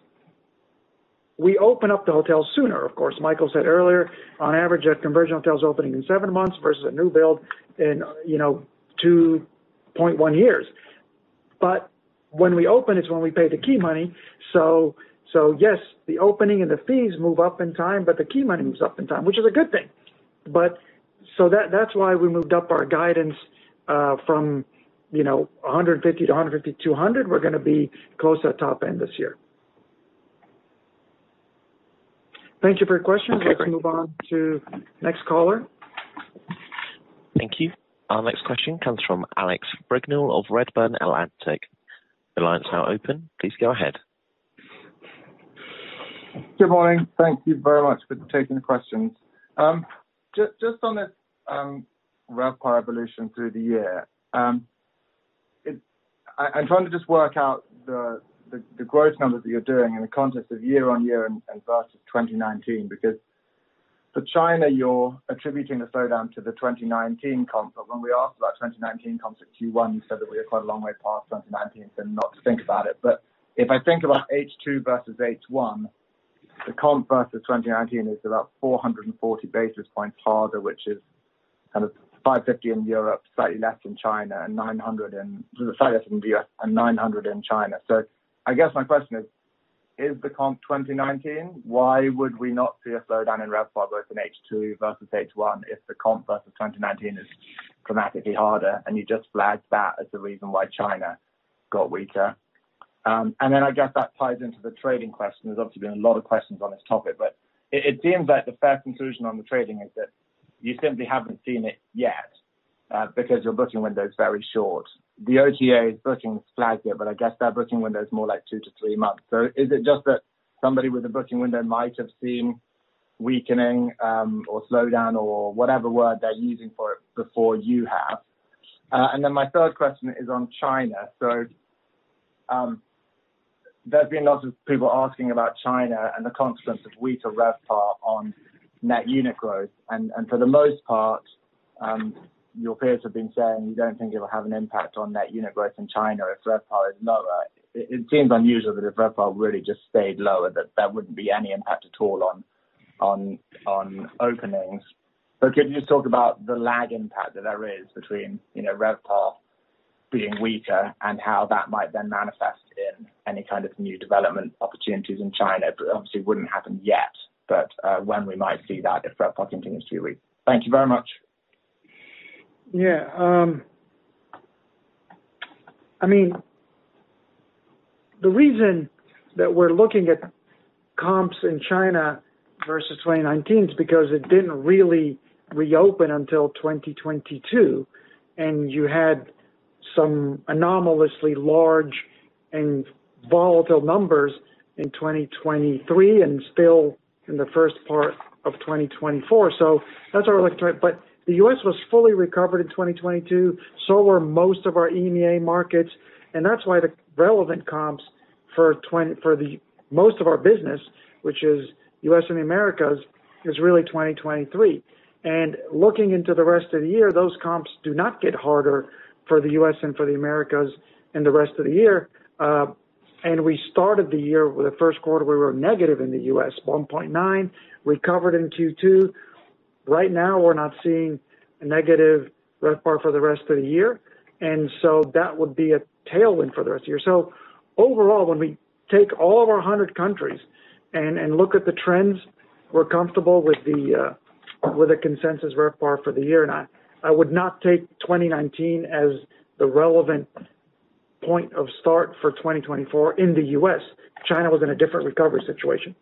we open up the hotel sooner, of course. Michael said earlier, on average, a conversion hotel is opening in 7 months versus a new build in, you know, 2.1 years. But when we open, it's when we pay the key money. So, so yes, the opening and the fees move up in time, but the key money moves up in time, which is a good thing. But so that, that's why we moved up our guidance, from, you know, 150 to 150 to 200. We're gonna be close to that top end this year. Thank you for your question. Okay, great. Let's move on to next caller. Thank you. Our next question comes from Alex Brignall of Redburn Atlantic. Your line's now open. Please go ahead. Good morning. Thank you very much for taking the questions. Just on this RevPAR evolution through the year, I'm trying to just work out the growth numbers that you're doing in the context of YoY and versus 2019, because for China, you're attributing the slowdown to the 2019 comp. But when we asked about 2019 comps at Q1, you said that we are quite a long way past 2019, so not to think about it. But if I think about H2 versus H1, the comp versus 2019 is about 440 basis points harder, which is kind of 550 in Europe, slightly less in China, and 900 and... slightly less in the US, and 900 in China. So I guess my question is: Is the comp 2019? Why would we not see a slowdown in RevPAR, both in H2 versus H1, if the comp versus 2019 is dramatically harder, and you just flagged that as the reason why China got weaker? And then I guess that ties into the trading question. There's obviously been a lot of questions on this topic, but it, it seems like the fair conclusion on the trading is that you simply haven't seen it yet, because your booking window is very short. The OTA booking is flagged it, but I guess that booking window is more like two to three months. So is it just that somebody with a booking window might have seen weakening, or slowdown or whatever word they're using for it, before you have? And then my third question is on China. So, there's been lots of people asking about China and the consequence of weaker RevPAR on net unit growth. And for the most part, your peers have been saying you don't think it will have an impact on net unit growth in China if RevPAR is lower. It seems unusual that if RevPAR really just stayed lower, that wouldn't be any impact at all on openings. But could you just talk about the lag impact that there is between, you know, RevPAR being weaker and how that might then manifest in any kind of new development opportunities in China? But obviously, it wouldn't happen yet, but when we might see that if RevPAR continues to be weak. Thank you very much. Yeah, I mean, the reason that we're looking at comps in China versus 2019 is because it didn't really reopen until 2022, and you had some anomalously large and volatile numbers in 2023 and still in the first part of 2024. So that's what we're looking at. But the US was fully recovered in 2022. So were most of our EMEA markets, and that's why the relevant comps for the most of our business, which is US and the Americas, is really 2023. And looking into the rest of the year, those comps do not get harder for the US and for the Americas in the rest of the year. And we started the year with the first quarter; we were negative in the US, 1.9. We recovered in Q2. Right now, we're not seeing a negative RevPAR for the rest of the year, and so that would be a tailwind for the rest of the year. So overall, when we take all of our 100 countries and look at the trends, we're comfortable with the consensus RevPAR for the year. I would not take 2019 as the relevant point of start for 2024 in the U.S. China was in a different recovery situation.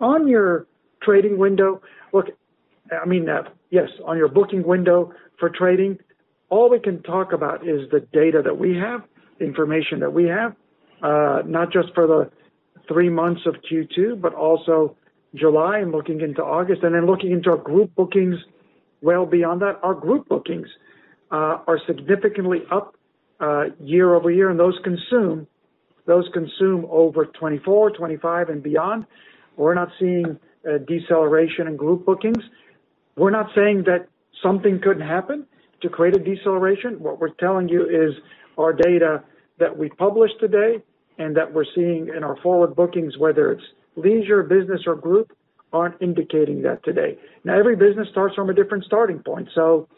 On your trading window, I mean, yes, on your booking window for trading, all we can talk about is the data that we have, information that we have, not just for the three months of Q2, but also July and looking into August, and then looking into our group bookings well beyond that. Our group bookings are significantly up YoY, and those consume over 2024, 2025, and beyond. We're not seeing a deceleration in group bookings. We're not saying that something couldn't happen to create a deceleration. What we're telling you is our data that we published today and that we're seeing in our forward bookings, whether it's leisure, business or group, aren't indicating that today. Now, every business starts from a different starting point, so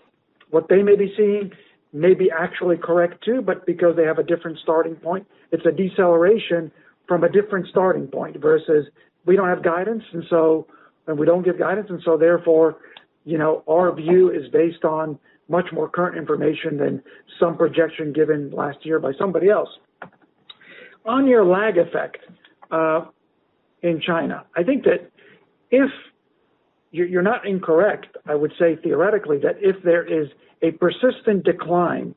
what they may be seeing may be actually correct, too, but because they have a different starting point, it's a deceleration from a different starting point versus we don't have guidance, and so, and we don't give guidance, and so therefore, you know, our view is based on much more current information than some projection given last year by somebody else. On your lag effect in China, I think that if you're not incorrect, I would say theoretically, that if there is a persistent decline,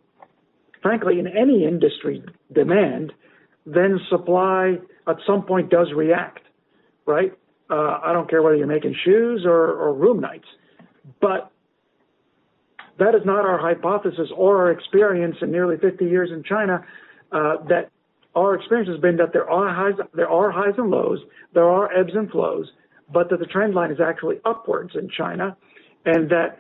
frankly, in any industry demand, then supply at some point does react, right? I don't care whether you're making shoes or room nights. But that is not our hypothesis or our experience in nearly 50 years in China, that our experience has been that there are highs, there are highs and lows, there are ebbs and flows, but that the trend line is actually upwards in China, and that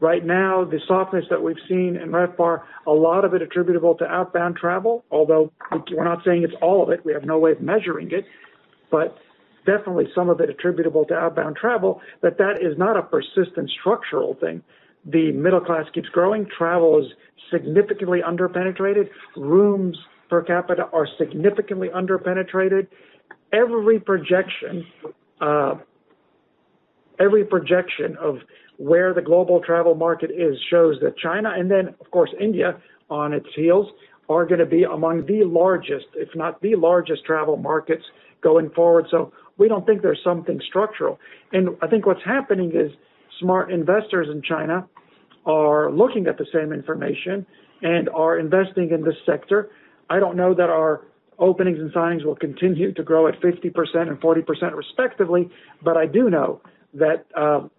right now, the softness that we've seen in RevPAR, a lot of it attributable to outbound travel, although we're not saying it's all of it, we have no way of measuring it. But definitely some of it attributable to outbound travel, but that is not a persistent structural thing. The middle class keeps growing, travel is significantly underpenetrated, rooms per capita are significantly underpenetrated. Every projection, every projection of where the global travel market is, shows that China, and then, of course, India, on its heels, are gonna be among the largest, if not the largest, travel markets going forward. So we don't think there's something structural. And I think what's happening is smart investors in China are looking at the same information and are investing in this sector. I don't know that our openings and signings will continue to grow at 50% and 40% respectively, but I do know that,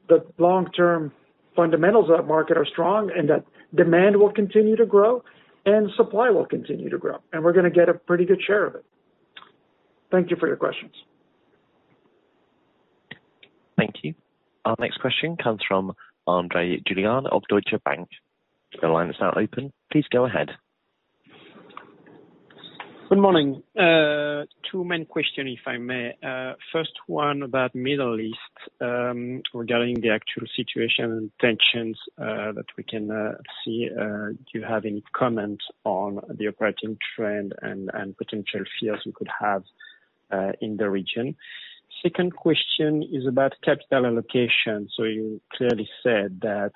the long-term fundamentals of that market are strong and that demand will continue to grow and supply will continue to grow, and we're gonna get a pretty good share of it. Thank you for your questions. Thank you. Our next question comes from Andre Juillard of Deutsche Bank. The line is now open. Please go ahead. Good morning. Two main questions, if I may. First one about Middle East, regarding the actual situation and tensions, that we can see. Do you have any comment on the operating trend and potential fears you could have, in the region? Second question is about capital allocation. So you clearly said that,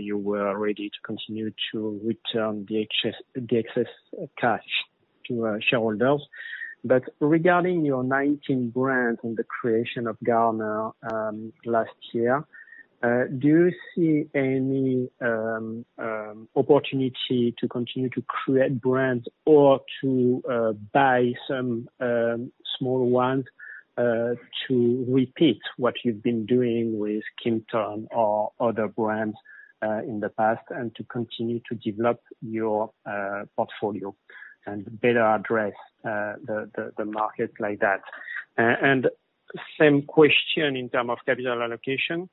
you were ready to continue to return the excess, the excess cash to, shareholders. But regarding your 19th brand and the creation of Garner, last year, do you see any, opportunity to continue to create brands or to, buy some, small ones, to repeat what you've been doing with Kimpton or other brands, in the past, and to continue to develop your, portfolio and better address, the market like that? Same question in terms of capital allocation,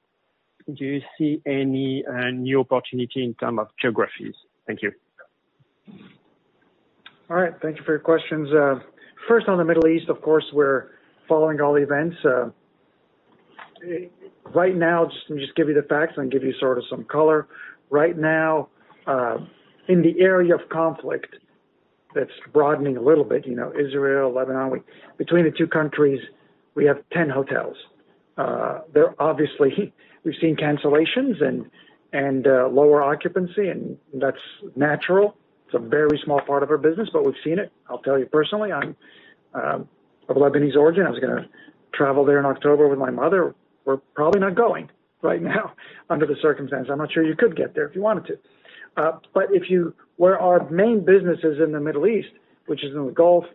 do you see any new opportunity in terms of geographies? Thank you. All right. Thank you for your questions. First on the Middle East, of course, we're following all the events. Right now, just let me just give you the facts and give you sort of some color. Right now, in the area of conflict, that's broadening a little bit, you know, Israel, Lebanon. Between the two countries, we have 10 hotels. There are obviously, we've seen cancellations and lower occupancy, and that's natural. It's a very small part of our business, but we've seen it. I'll tell you personally, I'm of Lebanese origin. I was gonna travel there in October with my mother. We're probably not going right now under the circumstances. I'm not sure you could get there if you wanted to. But if you-- where our main business is in the Middle East, which is in the Gulf,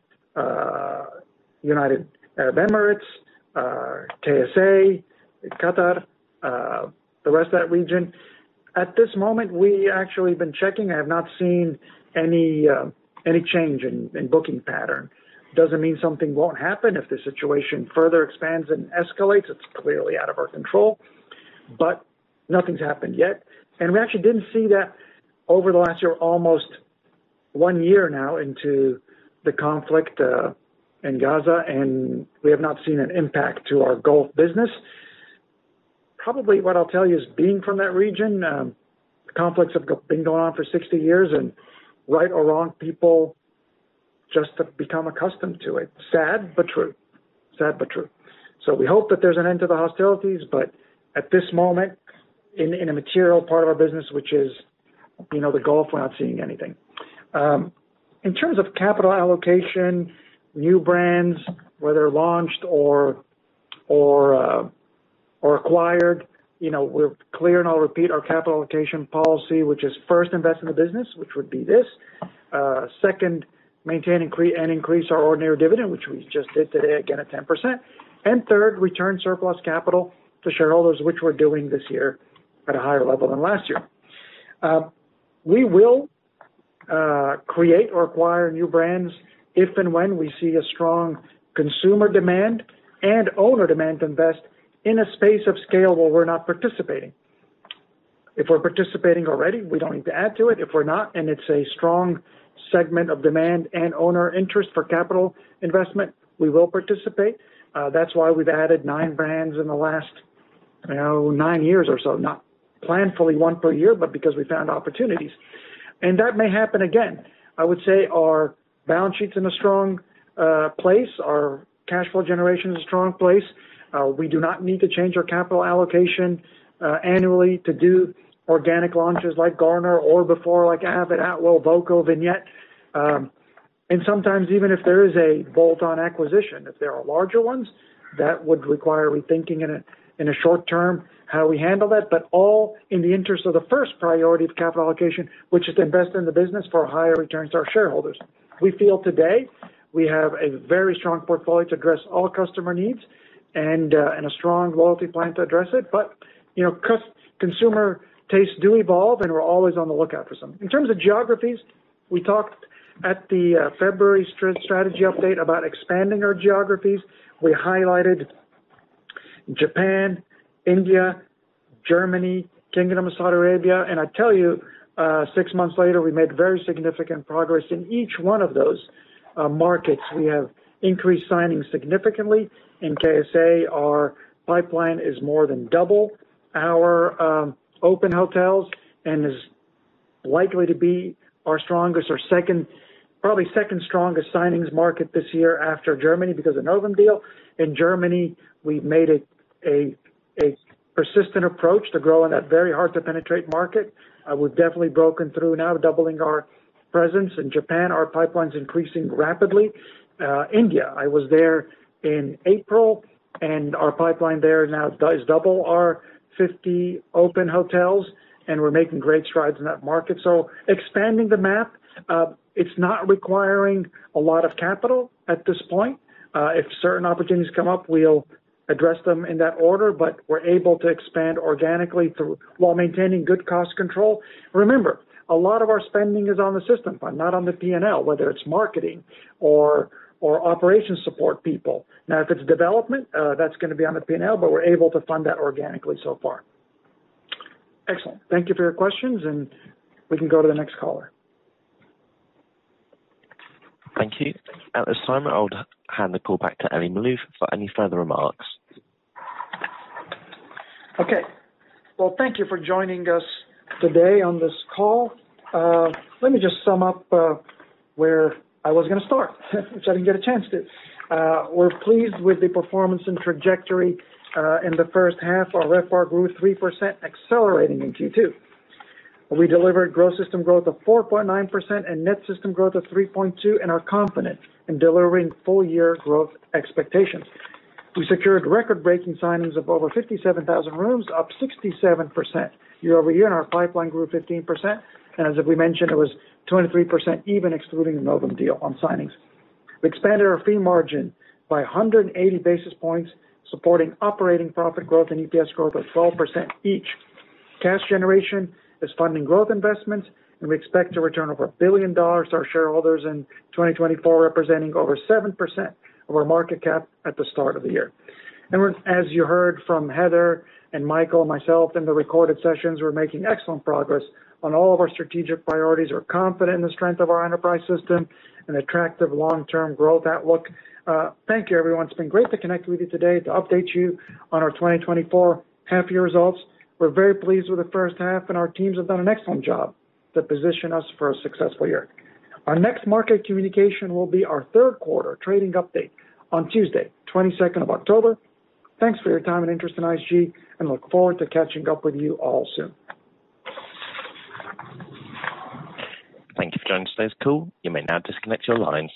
United Arab Emirates, KSA, Qatar, the rest of that region. At this moment, we actually have been checking. I have not seen any, any change in, in booking pattern. Doesn't mean something won't happen if the situation further expands and escalates. It's clearly out of our control, but nothing's happened yet. And we actually didn't see that over the last year, almost one year now into the conflict, in Gaza, and we have not seen an impact to our Gulf business. Probably what I'll tell you is, being from that region, conflicts have been going on for 60 years, and right or wrong, people just have become accustomed to it. Sad, but true. Sad, but true. So we hope that there's an end to the hostilities, but at this moment, in a material part of our business, which is, you know, the Gulf, we're not seeing anything. In terms of capital allocation, new brands, whether launched or acquired, you know, we're clear, and I'll repeat our capital allocation policy, which is first, invest in the business, which would be this. Second, maintain and increase our ordinary dividend, which we just did today, again, at 10%. And third, return surplus capital to shareholders, which we're doing this year at a higher level than last year. We will create or acquire new brands if and when we see a strong consumer demand and owner demand to invest in a space of scale where we're not participating. If we're participating already, we don't need to add to it. If we're not, and it's a strong segment of demand and owner interest for capital investment, we will participate. That's why we've added nine brands in the last, I don't know, nine years or so. Not planfully one per year, but because we found opportunities. That may happen again. I would say our balance sheet's in a strong place. Our cash flow generation is in a strong place. We do not need to change our capital allocation annually to do organic launches like Garner or before, like avid, Atwell, voco, Vignette. And sometimes even if there is a bolt-on acquisition, if there are larger ones, that would require rethinking in a short term, how we handle that, but all in the interest of the first priority of capital allocation, which is to invest in the business for higher returns to our shareholders. We feel today we have a very strong portfolio to address all customer needs and a strong loyalty plan to address it. But, you know, consumer tastes do evolve, and we're always on the lookout for something. In terms of geographies, we talked at the February strategy update about expanding our geographies. We highlighted Japan, India, Germany, Kingdom of Saudi Arabia, and I tell you, six months later, we made very significant progress in each one of those markets. We have increased signings significantly. In KSA, our pipeline is more than double our open hotels and is likely to be our strongest or second—probably second strongest signings market this year after Germany, because of Novum deal. In Germany, we've made it a persistent approach to grow in that very hard-to-penetrate market. We've definitely broken through now, doubling our presence. In Japan, our pipeline's increasing rapidly. India, I was there in April, and our pipeline there now is double our 50 open hotels, and we're making great strides in that market. So expanding the map, it's not requiring a lot of capital at this point. If certain opportunities come up, we'll address them in that order, but we're able to expand organically while maintaining good cost control. Remember, a lot of our spending is on the System Fund, not on the P&L, whether it's marketing or operations support people. Now, if it's development, that's gonna be on the P&L, but we're able to fund that organically so far. Excellent. Thank you for your questions, and we can go to the next caller. Thank you. At this time, I'll hand the call back to Elie Maalouf for any further remarks. Okay. Well, thank you for joining us today on this call. Let me just sum up where I was gonna start, which I didn't get a chance to. We're pleased with the performance and trajectory in the first half. Our RevPAR grew 3%, accelerating in Q2. We delivered gross system growth of 4.9% and net system growth of 3.2, and are confident in delivering full-year growth expectations. We secured record-breaking signings of over 57,000 rooms, up 67% YoY, and our pipeline grew 15%. And as we mentioned, it was 23%, even excluding the Novum deal on signings. We expanded our fee margin by 180 basis points, supporting operating profit growth and EPS growth of 12% each. Cash generation is funding growth investments, and we expect to return over $1 billion to our shareholders in 2024, representing over 7% of our market cap at the start of the year. As you heard from Heather and Michael and myself in the recorded sessions, we're making excellent progress on all of our strategic priorities. We're confident in the strength of our enterprise system and attractive long-term growth outlook. Thank you, everyone. It's been great to connect with you today to update you on our 2024 half year results. We're very pleased with the first half, and our teams have done an excellent job to position us for a successful year. Our next market communication will be our third quarter trading update on Tuesday, 22nd of October. Thanks for your time and interest in IHG, and look forward to catching up with you all soon. Thank you for joining today's call. You may now disconnect your lines.